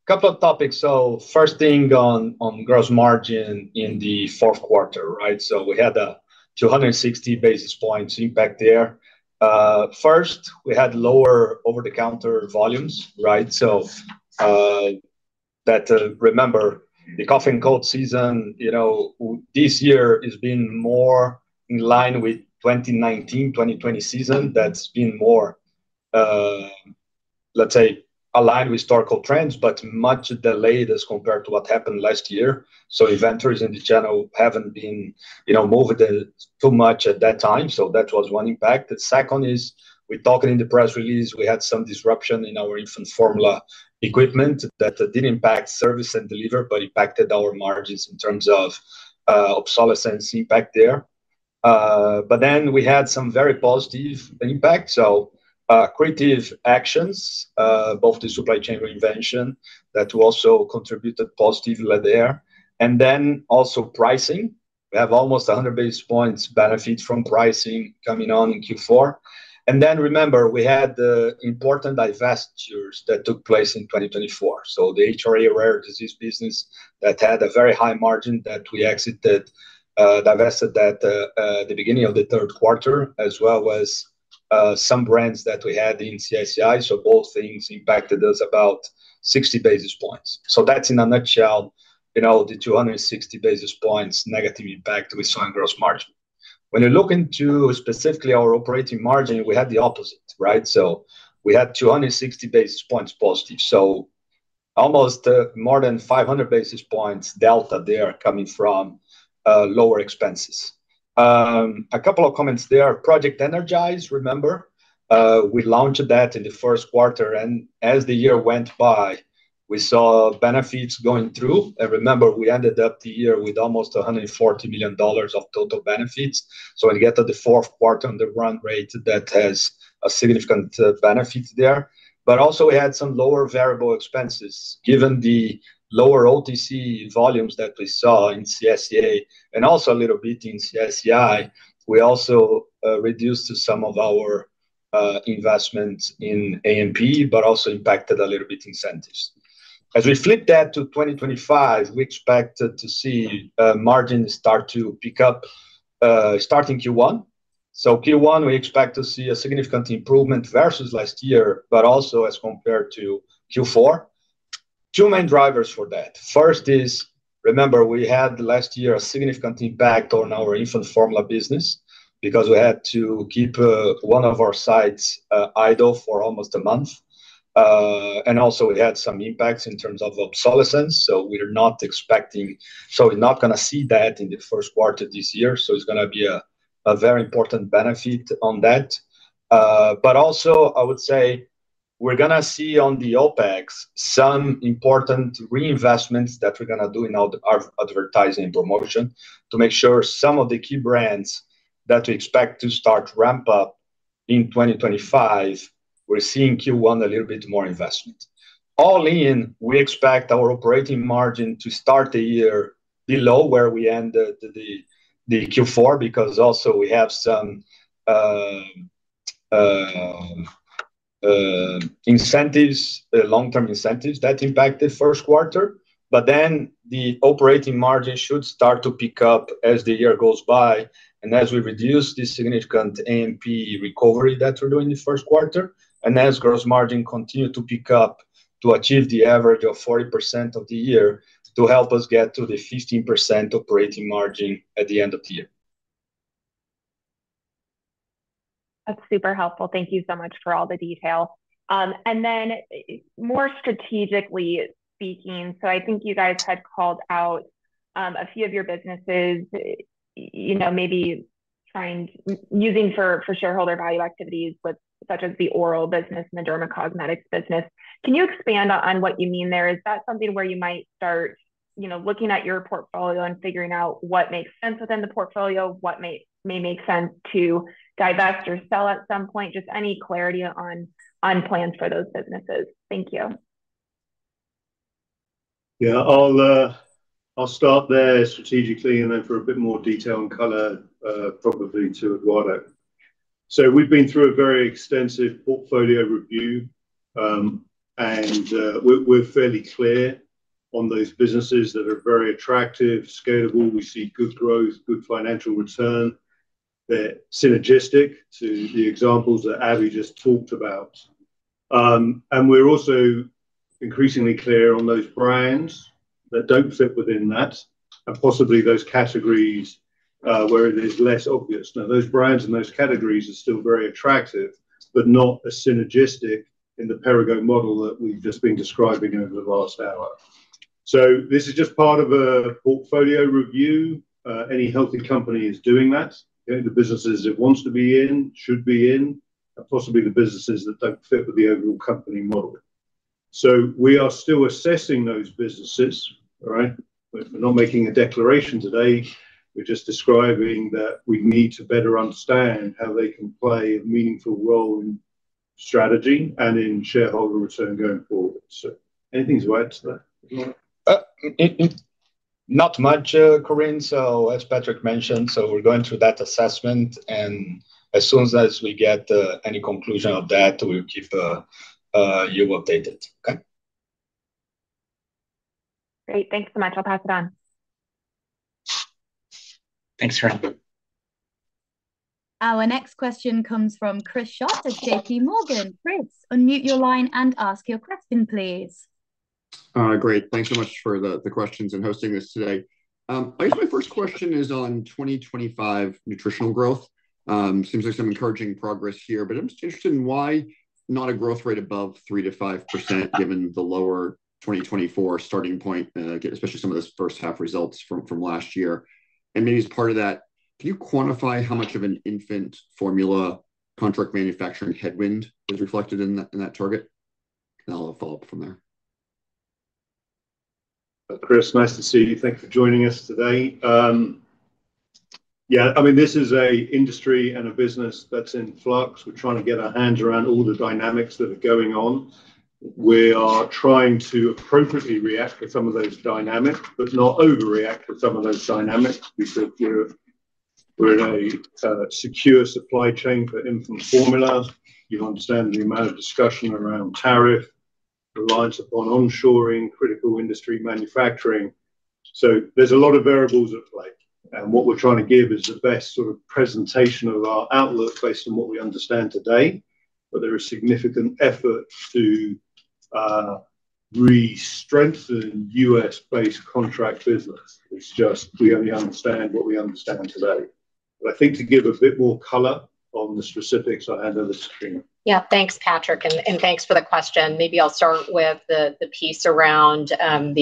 couple of topics. First thing on gross margin in the fourth quarter, right? We had a 260 basis points impact there. First, we had lower over-the-counter volumes, right? That, remember, the cough and cold season this year has been more in line with 2019, 2020 season. That's been more, let's say, aligned with historical trends, but much delayed as compared to what happened last year. Inventories in the channel haven't been moved too much at that time. That was one impact. The second is we talked in the press release, we had some disruption in infant formula equipment that didn't impact service and delivery, but impacted our margins in terms of obsolescence impact there. But then we had some very positive impact. So creative actions, both the Supply Chain Reinvention that also contributed positively there. And then also pricing. We have almost 100 basis points benefit from pricing coming on in Q4. And then remember, we had important divestitures that took place in 2024. So the HRA rare disease business that had a very high margin that we exited, divested that at the beginning of the third quarter, as well as some brands that we had in CSCI. So both things impacted us about 60 basis points. So that's in a nutshell, the 260 basis points negative impact we saw in gross margin. When you look into specifically our operating margin, we had the opposite, right? So we had 260 basis points positive. So almost more than 500 basis points delta there coming from lower expenses. A couple of comments there. Project Energize, remember, we launched that in the first quarter. And as the year went by, we saw benefits going through. And remember, we ended up the year with almost $140 million of total benefits. So when you get to the fourth quarter on the run rate, that has a significant benefit there. But also we had some lower variable expenses given the lower OTC volumes that we saw in CSCA and also a little bit in CSCI. We also reduced some of our investments in A&P, but also impacted a little bit incentives. As we flip that to 2025, we expected to see margins start to pick up starting Q1. Q1, we expect to see a significant improvement versus last year, but also as compared to Q4. Two main drivers for that. First is, remember, we had last year a significant impact on infant formula business because we had to keep one of our sites idle for almost a month, and also we had some impacts in terms of obsolescence. So we're not expecting, so we're not going to see that in the first quarter this year. So it's going to be a very important benefit on that. But also I would say we're going to see on the OpEx some important reinvestments that we're going to do in our advertising and promotion to make sure some of the key brands that we expect to start ramp up in 2025, we're seeing Q1 a little bit more investment. All in, we expect our operating margin to start the year below where we ended the Q4 because also we have some incentives, long-term incentives that impact the first quarter. But then the operating margin should start to pick up as the year goes by, and as we reduce this significant A&P recovery that we're doing the first quarter, and as gross margin continue to pick up to achieve the average of 40% of the year to help us get to the 15% operating margin at the end of the year. That's super helpful. Thank you so much for all the detail, and then more strategically speaking, so I think you guys had called out a few of your businesses, maybe trying using for shareholder value activities such as the oral business and the dermacosmetics business. Can you expand on what you mean there? Is that something where you might start looking at your portfolio and figuring out what makes sense within the portfolio, what may make sense to divest or sell at some point, just any clarity on plans for those businesses? Thank you. Yeah, I'll start there strategically and then for a bit more detail and color probably to Eduardo. So we've been through a very extensive portfolio review, and we're fairly clear on those businesses that are very attractive, scalable. We see good growth, good financial return. They're synergistic to the examples that Abbie just talked about, and we're also increasingly clear on those brands that don't fit within that and possibly those categories where it is less obvious. Now, those brands and those categories are still very attractive, but not as synergistic in the Perrigo model that we've just been describing over the last hour. So this is just part of a portfolio review. Any healthy company is doing that. The businesses it wants to be in should be in, and possibly the businesses that don't fit with the overall company model. So we are still assessing those businesses, all right? We're not making a declaration today. We're just describing that we need to better understand how they can play a meaningful role in strategy and in shareholder return going forward. So anything to add to that? Not much, Korinne. So as Patrick mentioned, so we're going through that assessment, and as soon as we get any conclusion of that, we'll keep you updated, okay? Great. Thanks so much. I'll pass it on. Thanks, Korinne. Our next question comes from Chris Schott of J.P. Morgan. Chris, unmute your line and ask your question, please. Great. Thanks so much for the questions and hosting this today. I guess my first question is on 2025 nutritional growth. Seems like some encouraging progress here, but I'm just interested in why not a growth rate above 3%-5% given the lower 2024 starting point, especially some of the first-half results from last year. And maybe as part of that, can you quantify how much of infant formula contract manufacturing headwind is reflected in that target? And I'll follow up from there. Chris, nice to see you. Thanks for joining us today. Yeah, I mean, this is an industry and a business that's in flux. We're trying to get our hands around all the dynamics that are going on. We are trying to appropriately react to some of those dynamics, but not overreact to some of those dynamics because we're in a secure supply chain for infant formula. You understand the amount of discussion around tariff, reliance upon onshoring, critical industry manufacturing, so there's a lot of variables at play, and what we're trying to give is the best sort of presentation of our outlook based on what we understand today, but there is significant effort to re-strengthen U.S.-based contract business. It's just we only understand what we understand today, but I think to give a bit more color on the specifics, I hand over to Triona. Yeah, thanks, Patrick, and thanks for the question. Maybe I'll start with the piece around kind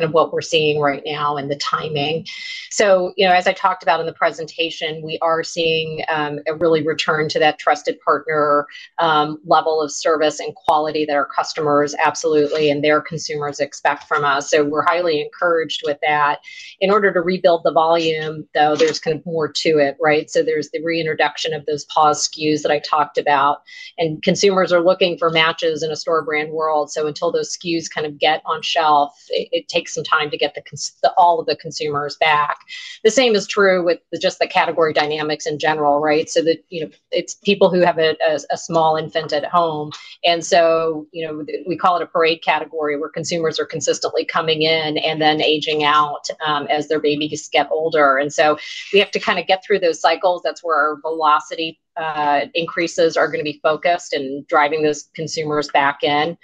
of what we're seeing right now and the timing, so as I talked about in the presentation, we are seeing a really return to that trusted partner level of service and quality that our customers absolutely and their consumers expect from us, so we're highly encouraged with that. In order to rebuild the volume, though, there's kind of more to it, right? So there's the reintroduction of those paused SKUs that I talked about. And consumers are looking for matches in a store brand world. So until those SKUs kind of get on shelf, it takes some time to get all of the consumers back. The same is true with just the category dynamics in general, right? So it's people who have a small infant at home. And so we call it a parade category where consumers are consistently coming in and then aging out as their babies get older. And so we have to kind of get through those cycles. That's where our velocity increases are going to be focused and driving those consumers back in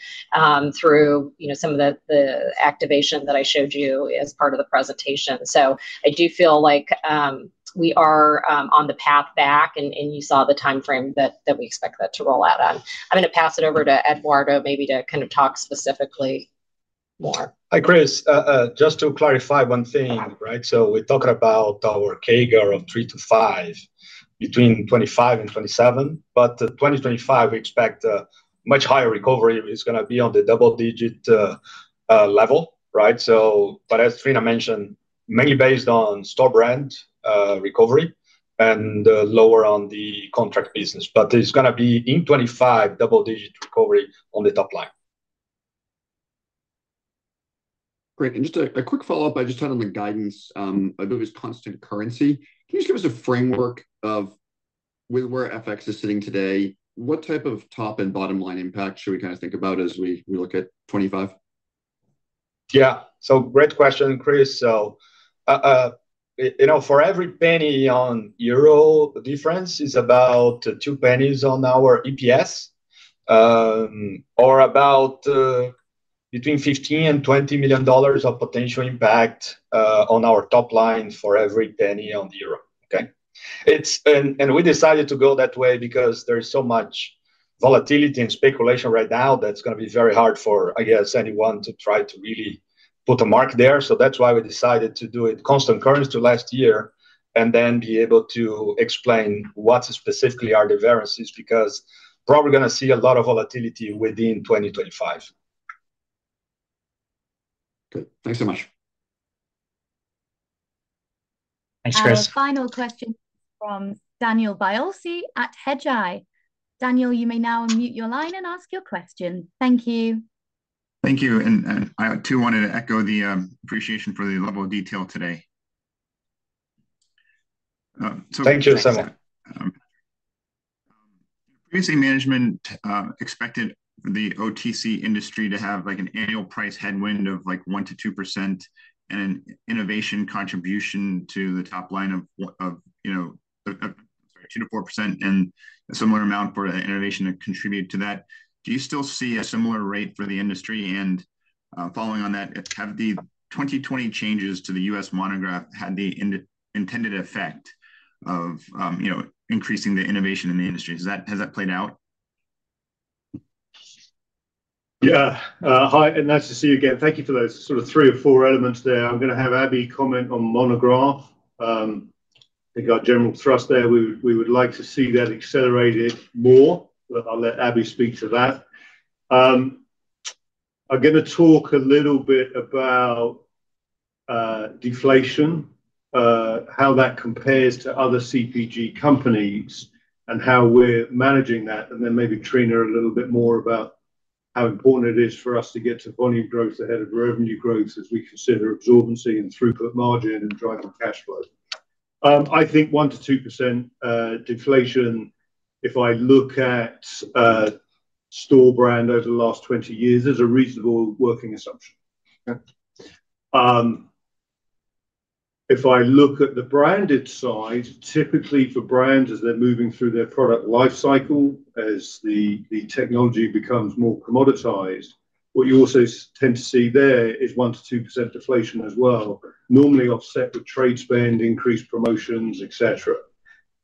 through some of the activation that I showed you as part of the presentation. I do feel like we are on the path back, and you saw the timeframe that we expect that to roll out on. I'm going to pass it over to Eduardo maybe to kind of talk specifically more. Hi, Chris. Just to clarify one thing, right? So we're talking about our CAGR of 3%-5% between 2025 and 2027. But 2025, we expect a much higher recovery. It's going to be on the double-digit level, right? But as Triona mentioned, mainly based on store brand recovery and lower on the contract business. But it's going to be in 2025, double-digit recovery on the top line. Great. And just a quick follow-up. I just had on the guidance, I believe it's constant currency. Can you just give us a framework of where FX is sitting today? What type of top and bottom line impact should we kind of think about as we look at '25? Yeah. So great question, Chris. So for every penny on euro difference, it's about $0.02 on our EPS or about between $15 million and $20 million of potential impact on our top line for every penny on the euro, okay? And we decided to go that way because there's so much volatility and speculation right now that's going to be very hard for, I guess, anyone to try to really put a mark there. So that's why we decided to do it constant currency to last year and then be able to explain what specifically are the variances because we're probably going to see a lot of volatility within 2025. Good. Thanks so much. Thanks, Chris. Final question from Daniel Biolsi at Hedgeye. Daniel, you may now unmute your line and ask your question. Thank you. Thank you. And I too wanted to echo the appreciation for the level of detail today. Thank you so much. Previously, management expected the OTC industry to have an annual price headwind of 1-2% and an innovation contribution to the top line of 2-4% and a similar amount for innovation to contribute to that. Do you still see a similar rate for the industry? And following on that, have the 2020 changes to the U.S. monograph had the intended effect of increasing the innovation in the industry? Has that played out? Yeah. Hi, and nice to see you again. Thank you for those sort of three or four elements there. I'm going to have Abbie comment on monograph. We've got general trust there. We would like to see that accelerated more, but I'll let Abbie speak to that. I'm going to talk a little bit about deflation, how that compares to other CPG companies, and how we're managing that, and then maybe Triona a little bit more about how important it is for us to get to volume growth ahead of revenue growth as we consider absorbency and throughput margin and driving cash flow. I think 1%-2% deflation, if I look at store brand over the last 20 years, is a reasonable working assumption. If I look at the branded side, typically for brands as they're moving through their product lifecycle, as the technology becomes more commoditized, what you also tend to see there is 1%-2% deflation as well, normally offset with trade spend, increased promotions, etc.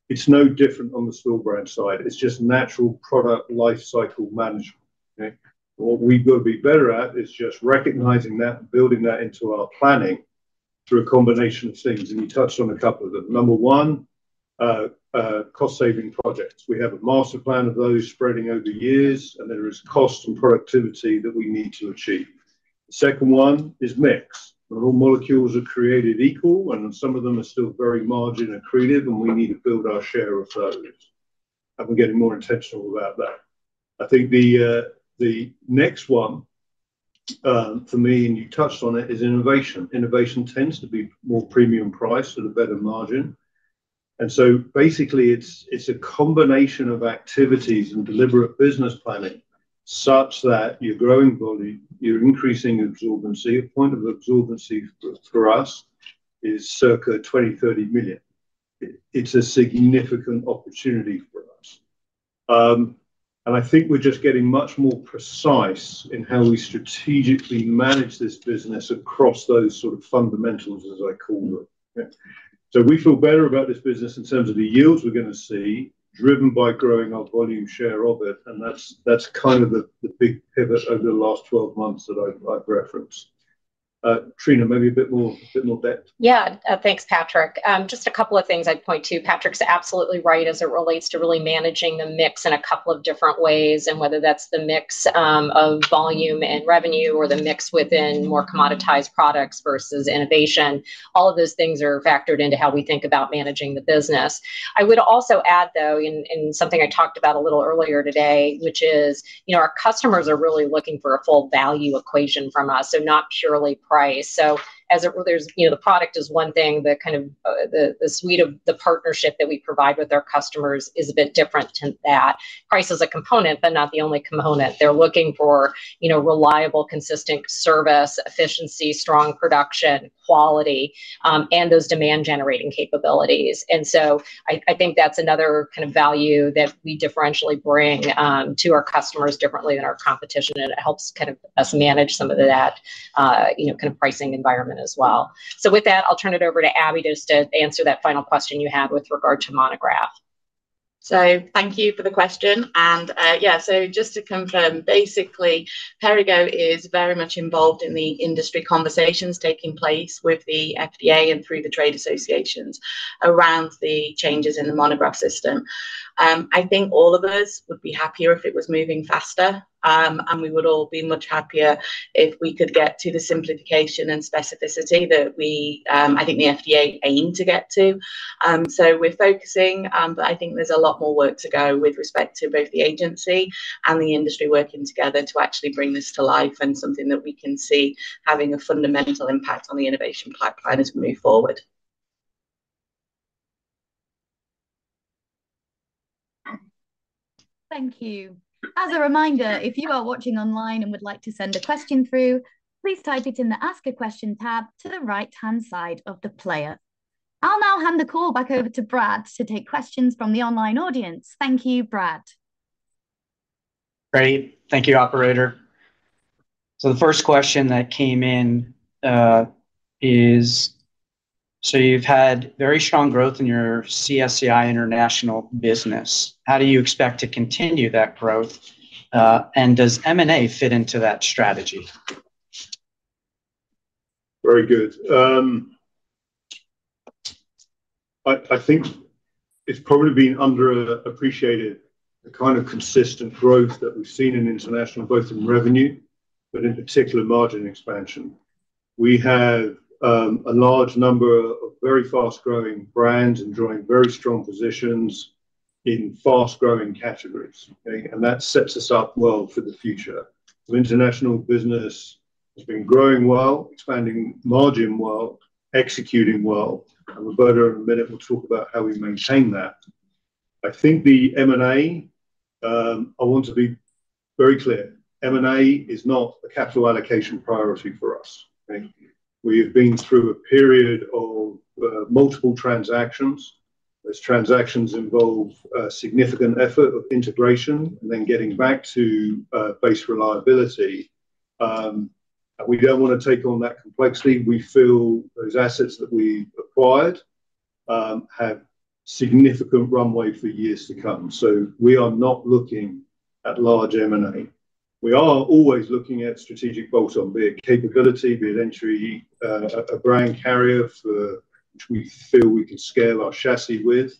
It's no different on the store brand side. It's just natural product lifecycle management. What we've got to be better at is just recognizing that and building that into our planning through a combination of things, and you touched on a couple of them. Number one, cost-saving projects. We have a master plan of those spreading over years, and there is cost and productivity that we need to achieve. The second one is mix. Not all molecules are created equal, and some of them are still very margin accretive, and we need to build our share of those, and we're getting more intentional about that. I think the next one for me, and you touched on it, is innovation. Innovation tends to be more premium priced at a better margin, and so basically, it's a combination of activities and deliberate business planning such that you're growing volume, you're increasing absorbency. The point of absorbency for us is circa 20-30 million. It's a significant opportunity for us. And I think we're just getting much more precise in how we strategically manage this business across those sort of fundamentals, as I call them. So we feel better about this business in terms of the yields we're going to see, driven by growing our volume share of it. And that's kind of the big pivot over the last 12 months that I've referenced. Triona, maybe a bit more depth. Yeah. Thanks, Patrick. Just a couple of things I'd point to. Patrick's absolutely right as it relates to really managing the mix in a couple of different ways, and whether that's the mix of volume and revenue or the mix within more commoditized products versus innovation. All of those things are factored into how we think about managing the business. I would also add, though, in something I talked about a little earlier today, which is our customers are really looking for a full value equation from us, so not purely price. So the product is one thing. The suite of the partnership that we provide with our customers is a bit different than that. Price is a component, but not the only component. They're looking for reliable, consistent service, efficiency, strong production, quality, and those demand-generating capabilities. And so I think that's another kind of value that we differentially bring to our customers differently than our competition. And it helps kind of us manage some of that kind of pricing environment as well. So with that, I'll turn it over to Abbie just to answer that final question you had with regard to monograph. So thank you for the question. Yeah, so just to confirm, basically, Perrigo is very much involved in the industry conversations taking place with the FDA and through the trade associations around the changes in the monograph system. I think all of us would be happier if it was moving faster, and we would all be much happier if we could get to the simplification and specificity that I think the FDA aimed to get to. So we're focusing, but I think there's a lot more work to go with respect to both the agency and the industry working together to actually bring this to life and something that we can see having a fundamental impact on the innovation pipeline as we move forward. Thank you. As a reminder, if you are watching online and would like to send a question through, please type it in the Ask a Question tab to the right-hand side of the player. I'll now hand the call back over to Brad to take questions from the online audience. Thank you, Brad. Great. Thank you, Operator. So the first question that came in is, so you've had very strong growth in your CSCI international business. How do you expect to continue that growth? And does M&A fit into that strategy? Very good. I think it's probably been underappreciated, the kind of consistent growth that we've seen in international, both in revenue, but in particular margin expansion. We have a large number of very fast-growing brands and drawing very strong positions in fast-growing categories. And that sets us up well for the future. International business has been growing well, expanding margin well, executing well. And Roberto, in a minute, we'll talk about how we maintain that. I think the M&A, I want to be very clear, M&A is not a capital allocation priority for us. We have been through a period of multiple transactions. Those transactions involve significant effort of integration and then getting back to base reliability. We don't want to take on that complexity. We feel those assets that we've acquired have significant runway for years to come. So we are not looking at large M&A. We are always looking at strategic bolt-on, be it capability, be it entry, a brand carrier for which we feel we can scale our chassis with.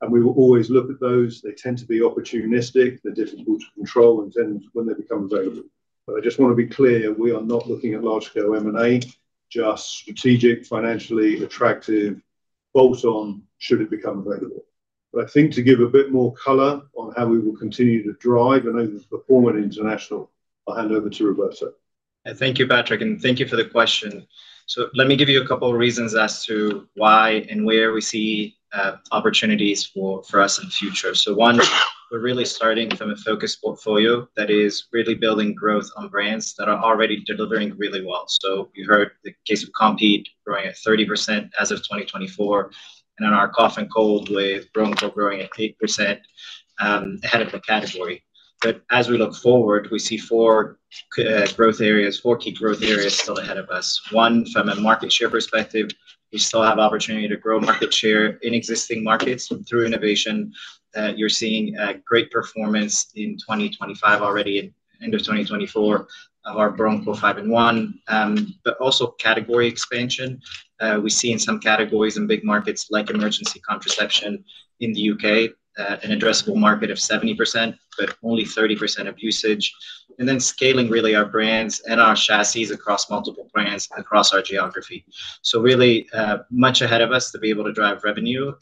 And we will always look at those. They tend to be opportunistic. They're difficult to control when they become available. But I just want to be clear, we are not looking at large-scale M&A, just strategic, financially attractive bolt-on should it become available. I think to give a bit more color on how we will continue to drive and overperform in international, I'll hand over to Roberto. Thank you, Patrick, and thank you for the question. Let me give you a couple of reasons as to why and where we see opportunities for us in the future. One, we're really starting from a focused portfolio that is really building growth on brands that are already delivering really well. You heard the case of Compeed growing at 30% as of 2024. In our Cough and Cold, we're growing at 8% ahead of the category. As we look forward, we see four growth areas, four key growth areas still ahead of us. One, from a market share perspective, we still have opportunity to grow market share in existing markets through innovation. You're seeing great performance in 2025 already, end of 2024, of our Broncho 5-in-1, but also category expansion. We're seeing some categories in big markets like emergency contraception in the U.K., an addressable market of 70%, but only 30% of usage. And then scaling really our brands and our chassis across multiple brands across our geography. So really much ahead of us to be able to drive revenue.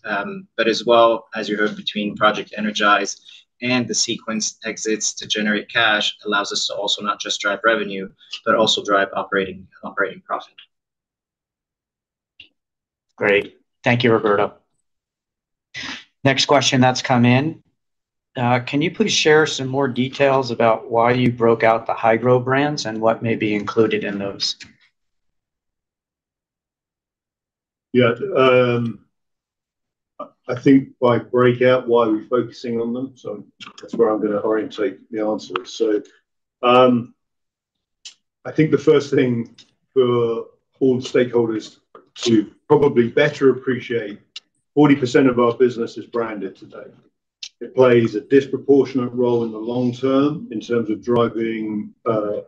But as well, as you heard, between Project Energize and the site exits to generate cash allows us to also not just drive revenue, but also drive operating profit Great. Thank you, Roberto. Next question that's come in. Can you please share some more details about why you broke out high-growth brands and what may be included in those? Yeah. I think by breakout, why are we focusing on them? So that's where I'm going to orientate the answers. So I think the first thing for all the stakeholders to probably better appreciate, 40% of our business is branded today. It plays a disproportionate role in the long term in terms of driving more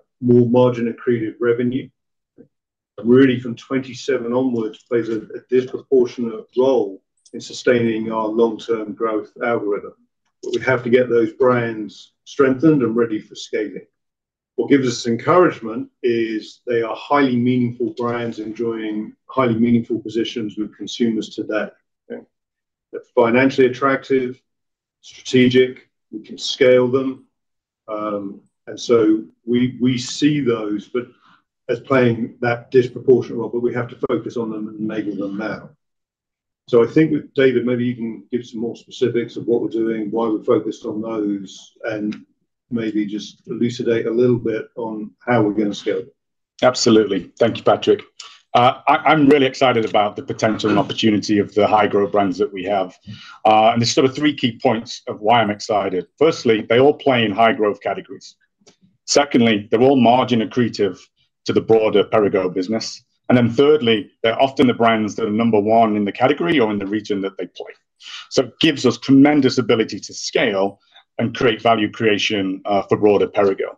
margin accretive revenue. Really, from 2027 onwards, plays a disproportionate role in sustaining our long-term growth algorithm. But we have to get those brands strengthen and ready for scaling. What gives us encouragement is they are highly meaningful brands enjoying highly meaningful positions with consumers today. They're financially attractive, strategic, we can scale them. And so we see those, but as playing that disproportionate role, but we have to focus on them and enable them now. So I think with David, maybe you can give some more specifics of what we're doing, why we're focused on those, and maybe just elucidate a little bit on how we're going to scale them. Absolutely. Thank you, Patrick. I'm really excited about the potential and opportunity of high-growth brands that we have. And there's sort of three key points of why I'm excited. Firstly, they all play in high-growth categories. Secondly, they're all margin accretive to the broader Perrigo business. And then thirdly, they're often the brands that are number one in the category or in the region that they play. So it gives us tremendous ability to scale and create value creation for broader Perrigo.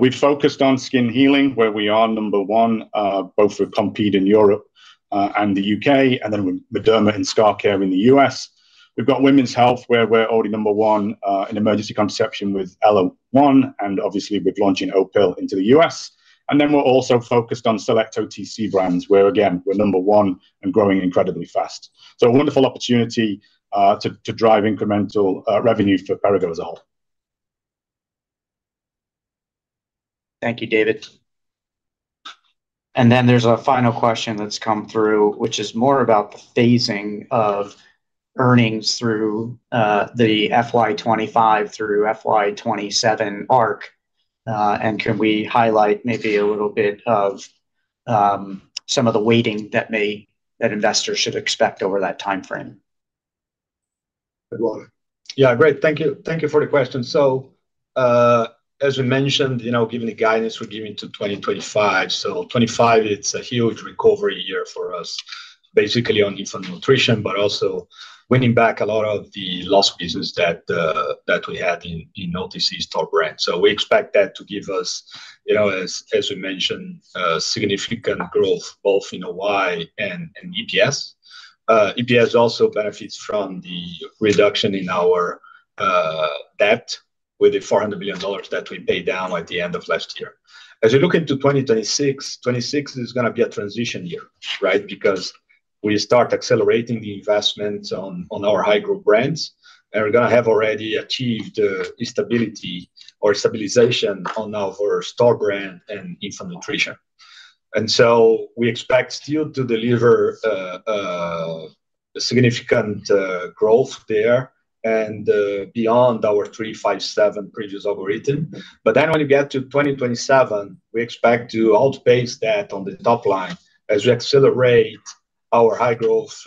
We've focused on Skin Healing, where we are number one, both with Compeed in Europe and the U.K., and then with Mederma and scar care in the U.S. We've got Women's Health, where we're already number one in emergency contraception with ellaOne, and obviously, we're launching Opill into the U.S. And then we're also focused on select OTC brands, where, again, we're number one and growing incredibly fast. So a wonderful opportunity to drive incremental revenue for Perrigo as a whole. Thank you, David. And then there's a final question that's come through, which is more about the phasing of earnings through the FY25 through FY27 arc. And can we highlight maybe a little bit of some of the weighting that investors should expect over that timeframe? Yeah. Great. Thank you for the question. So as we mentioned, given the guidance we're giving to 2025, so 25, it's a huge recovery year for us, basically on Infant Nutrition, but also winning back a lot of the lost pieces that we had in OTC store brand. So we expect that to give us, as we mentioned, significant growth, both in OI and EPS. EPS also benefits from the reduction in our debt with the $400 million that we paid down at the end of last year. As we look into 2026, 26 is going to be a transition year, right? Because we start accelerating the investment on high-growth brands, and we're going to have already achieved the stability or stabilization on our store brand and Infant Nutrition. And so we expect still to deliver significant growth there and beyond our 3, 5, 7 previous algorithm. But then when we get to 2027, we expect to outpace that on the top line as we accelerate our high-growth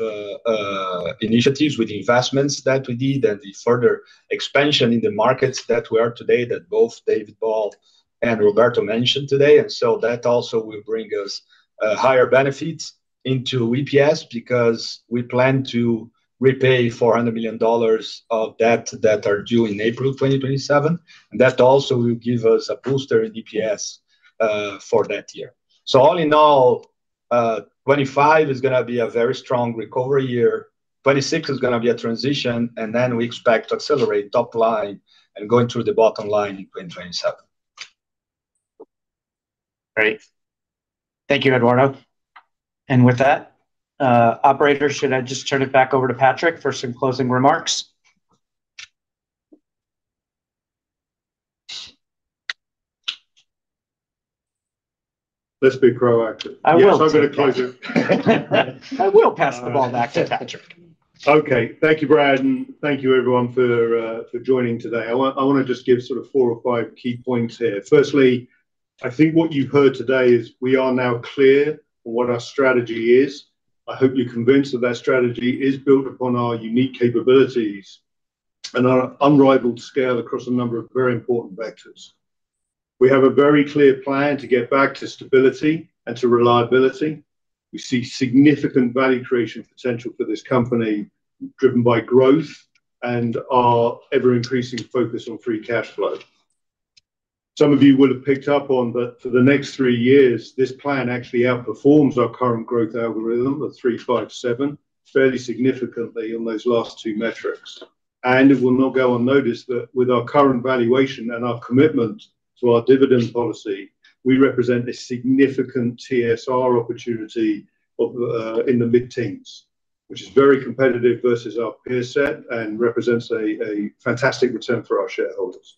initiatives with the investments that we did and the further expansion in the markets that we are today that both David Ball and Roberto mentioned today. And so that also will bring us higher benefits into EPS because we plan to repay $400 million of debt that are due in April 2027. And that also will give us a booster in EPS for that year. So all in all, 2025 is going to be a very strong recovery year. 2026 is going to be a transition, and then we expect to accelerate top line and going through the bottom line in 2027. Great. Thank you, Eduardo. And with that, Operator, should I just turn it back over to Patrick for some closing remarks? Let's be proactive. I will pass the ball back. I will pass the ball back to Patrick. Okay. Thank you, Brad. And thank you, everyone, for joining today. I want to just give sort of four or five key points here. Firstly, I think what you've heard today is we are now clear on what our strategy is. I hope you're convinced that that strategy is built upon our unique capabilities and our unrivaled scale across a number of very important vectors. We have a very clear plan to get back to stability and to reliability. We see significant value creation potential for this company driven by growth and our ever-increasing focus on free cash flow. Some of you will have picked up on that for the next three years, this plan actually outperforms our current growth algorithm of 3, 5, 7 fairly significantly on those last two metrics. And it will not go unnoticed that with our current valuation and our commitment to our dividend policy, we represent a significant TSR opportunity in the mid-teens, which is very competitive versus our peer set and represents a fantastic return for our shareholders.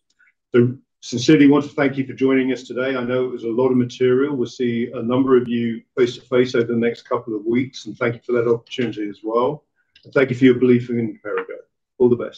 Sincerely, I want to thank you for joining us today. I know it was a lot of material. We'll see a number of you face-to-face over the next couple of weeks, and thank you for that opportunity as well. And thank you for your belief in Perrigo. All the best.